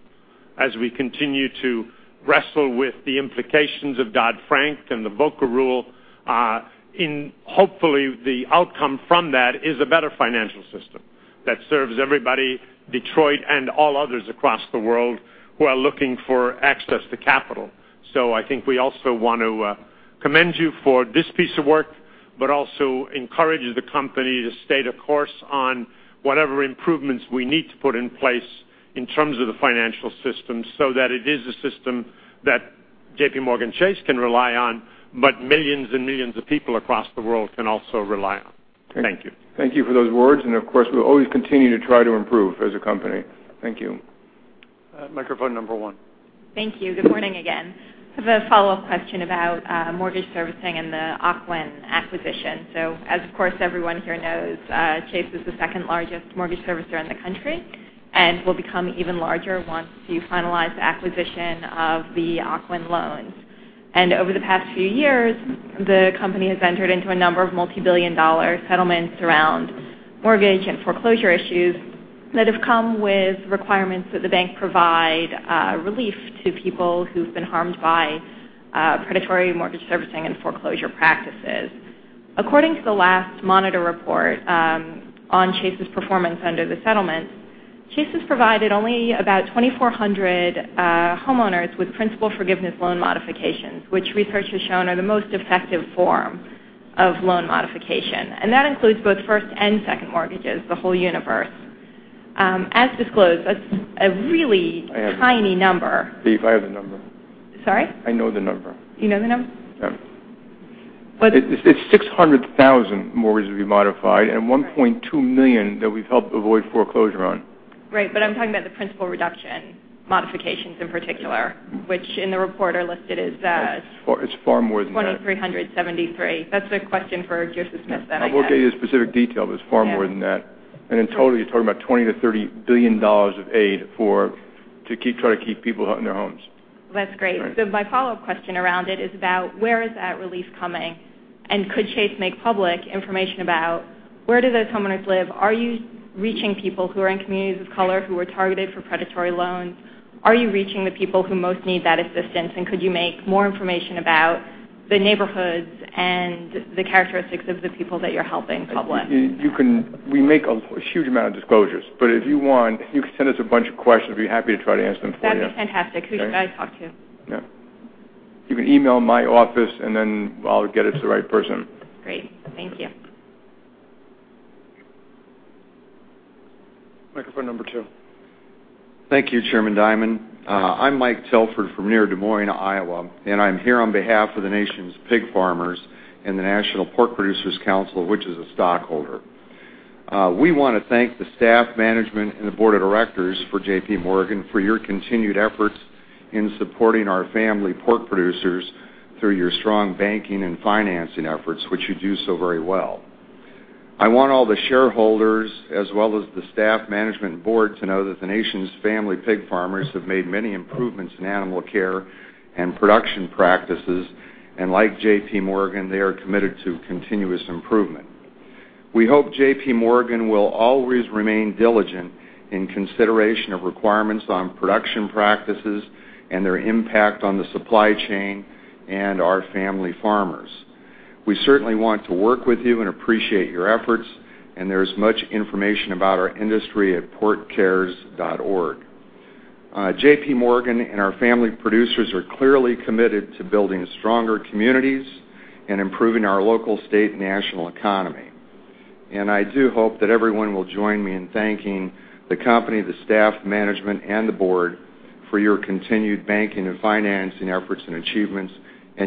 as we continue to wrestle with the implications of Dodd-Frank and the Volcker Rule. Hopefully, the outcome from that is a better financial system that serves everybody, Detroit, and all others across the world who are looking for access to capital. I think we also want to commend you for this piece of work, but also encourage the company to stay the course on whatever improvements we need to put in place in terms of the financial system, so that it is a system that JPMorgan Chase can rely on, but millions and millions of people across the world can also rely on. Thank you. Thank you for those words, and of course, we'll always continue to try to improve as a company. Thank you. Microphone number one. Thank you. Good morning again. I have a follow-up question about mortgage servicing and the Ocwen acquisition. As of course, everyone here knows, Chase is the second-largest mortgage servicer in the country and will become even larger once you finalize the acquisition of the Ocwen loans. Over the past few years, the company has entered into a number of multibillion-dollar settlements around mortgage and foreclosure issues that have come with requirements that the bank provide relief to people who've been harmed by predatory mortgage servicing and foreclosure practices. According to the last monitor report on Chase's performance under the settlement, Chase has provided only about 2,400 homeowners with principal forgiveness loan modifications, which research has shown are the most effective form of loan modification. That includes both first and second mortgages, the whole universe. As disclosed, that's a really tiny number. I have the number. Sorry? I know the number. You know the number? Yeah. But- It's 600,000 mortgages we modified and 1.2 million that we've helped avoid foreclosure on. Right. I'm talking about the principal reduction modifications in particular, which in the report are listed as. It's far more than that. 2,373. That's a question for Joseph Smith then, I guess. I won't get into specific detail, but it's far more than that. Yeah. In total, you're talking about $20 billion-$30 billion of aid to try to keep people in their homes. That's great. Right. My follow-up question around it is about where is that relief coming, and could Chase make public information about where do those homeowners live? Are you reaching people who are in communities of color who were targeted for predatory loans? Are you reaching the people who most need that assistance? Could you make more information about the neighborhoods and the characteristics of the people that you're helping public? We make a huge amount of disclosures, but if you want, you can send us a bunch of questions. We'd be happy to try to answer them for you. That'd be fantastic. Okay. Who should I talk to? Yeah. You can email my office. Then I'll get it to the right person. Great. Thank you. Microphone number 2. Thank you, Chairman Dimon. I'm Mike Telford from near Des Moines, Iowa. I'm here on behalf of the nation's pig farmers and the National Pork Producers Council, which is a stockholder. We want to thank the staff, management, and the board of directors for JPMorgan for your continued efforts in supporting our family pork producers through your strong banking and financing efforts, which you do so very well. I want all the shareholders, as well as the staff, management, and board, to know that the nation's family pig farmers have made many improvements in animal care and production practices, and like JPMorgan, they are committed to continuous improvement. We hope JPMorgan will always remain diligent in consideration of requirements on production practices and their impact on the supply chain and our family farmers. We certainly want to work with you and appreciate your efforts, there is much information about our industry at porkcares.org. JPMorgan and our family producers are clearly committed to building stronger communities and improving our local, state, and national economy. I do hope that everyone will join me in thanking the company, the staff, management, and the board for your continued banking and financing efforts and achievements.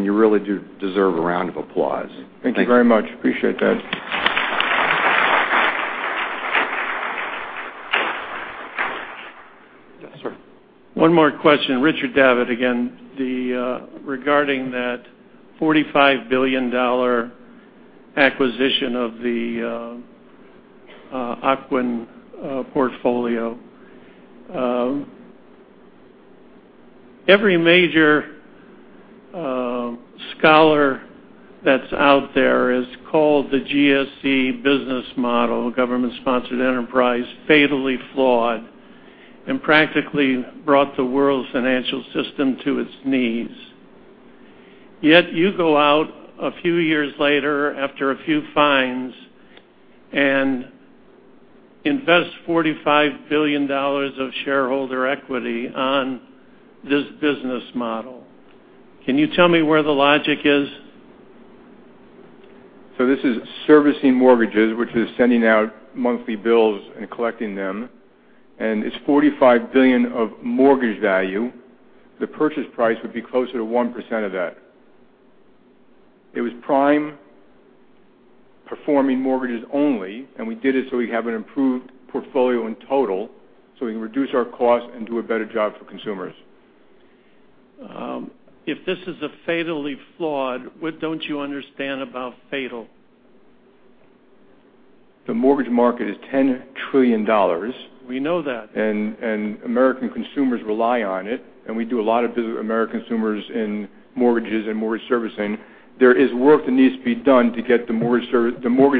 You really do deserve a round of applause. Thank you very much. Appreciate that. Yes, sir. One more question. Richard Davitt again. Regarding that $45 billion acquisition of the Ocwen portfolio. Every major scholar that's out there has called the GSE business model, Government-Sponsored Enterprise, fatally flawed and practically brought the world's financial system to its knees. Yet you go out a few years later, after a few fines, and invest $45 billion of shareholder equity on this business model. Can you tell me where the logic is? This is servicing mortgages, which is sending out monthly bills and collecting them, and it's $45 billion of mortgage value. The purchase price would be closer to 1% of that. It was prime-performing mortgages only, and we did it so we have an improved portfolio in total, so we can reduce our cost and do a better job for consumers. If this is fatally flawed, what don't you understand about fatal? The mortgage market is $10 trillion. We know that. American consumers rely on it, and we do a lot of business with American consumers in mortgages and mortgage servicing. There is work that needs to be done to get the mortgage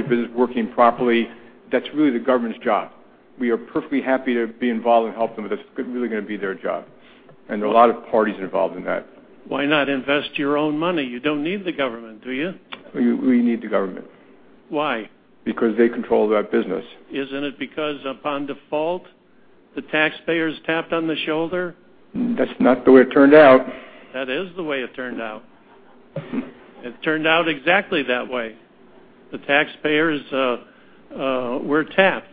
business working properly. That's really the government's job. We are perfectly happy to be involved and help them, but that's really going to be their job. There are a lot of parties involved in that. Why not invest your own money? You don't need the government, do you? We need the government. Why? Because they control that business. Isn't it because, upon default, the taxpayer is tapped on the shoulder? That's not the way it turned out. That is the way it turned out. It turned out exactly that way. The taxpayers were tapped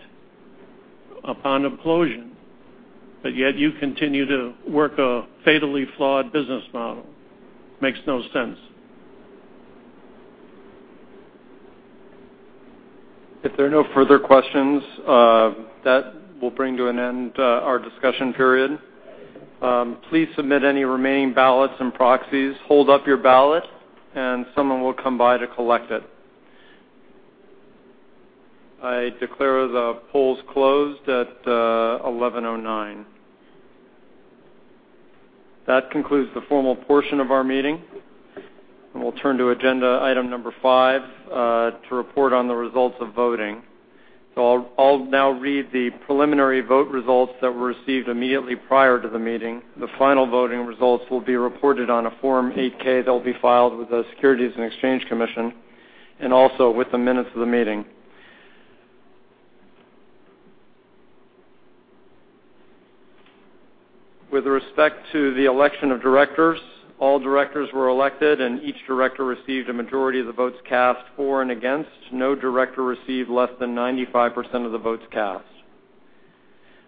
upon implosion. Yet you continue to work a fatally flawed business model. Makes no sense. If there are no further questions, that will bring to an end our discussion period. Please submit any remaining ballots and proxies. Hold up your ballot, and someone will come by to collect it. I declare the polls closed at 11:09 A.M. That concludes the formal portion of our meeting. We'll turn to agenda item number five, to report on the results of voting. I'll now read the preliminary vote results that were received immediately prior to the meeting. The final voting results will be reported on a Form 8-K that will be filed with the Securities and Exchange Commission, and also with the minutes of the meeting. With respect to the election of directors, all directors were elected, and each director received a majority of the votes cast for and against. No director received less than 95% of the votes cast.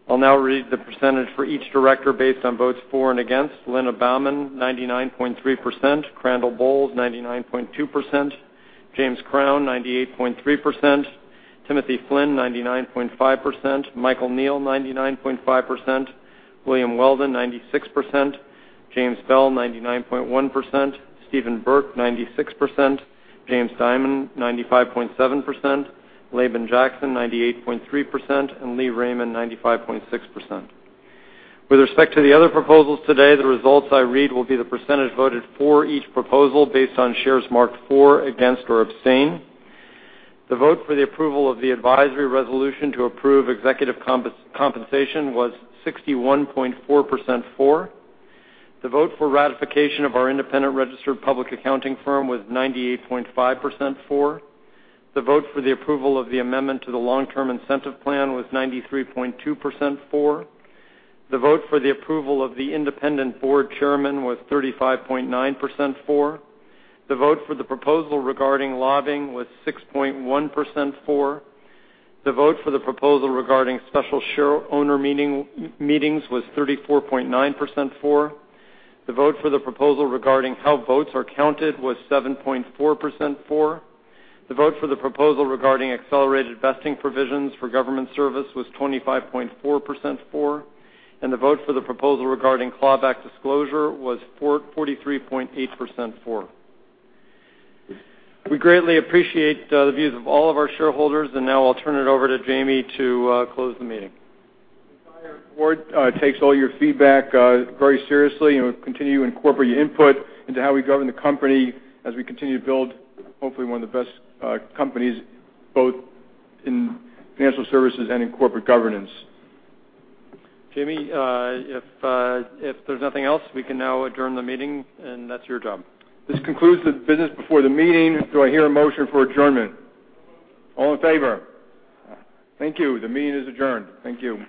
I'll now read the percentage for each director based on votes for and against. Linda Bammann, 99.3%. Crandall Bowles, 99.2%. James Crown, 98.3%. Timothy Flynn, 99.5%. Michael Neal, 99.5%. William Weldon, 96%. James Bell, 99.1%. Steve Burke, 96%. James Dimon, 95.7%. Laban Jackson, 98.3%. Lee Raymond, 95.6%. With respect to the other proposals today, the results I read will be the percentage voted for each proposal based on shares marked for, against, or abstain. The vote for the approval of the advisory resolution to approve executive compensation was 61.4% for. The vote for ratification of our independent registered public accounting firm was 98.5% for. The vote for the approval of the amendment to the long-term incentive plan was 93.2% for. The vote for the approval of the independent board chairman was 35.9% for. The vote for the proposal regarding lobbying was 6.1% for. The vote for the proposal regarding special shareholder meetings was 34.9% for. The vote for the proposal regarding how votes are counted was 7.4% for. The vote for the proposal regarding accelerated vesting provisions for government service was 25.4% for. The vote for the proposal regarding claw-back disclosure was 43.8% for. We greatly appreciate the views of all of our shareholders. Now I'll turn it over to Jamie to close the meeting. The entire board takes all your feedback very seriously, and we'll continue to incorporate your input into how we govern the company as we continue to build, hopefully, one of the best companies, both in financial services and in corporate governance. Jamie, if there's nothing else, we can now adjourn the meeting, and that's your job. This concludes the business before the meeting. Do I hear a motion for adjournment? Moved. All in favor? Thank you. The meeting is adjourned. Thank you.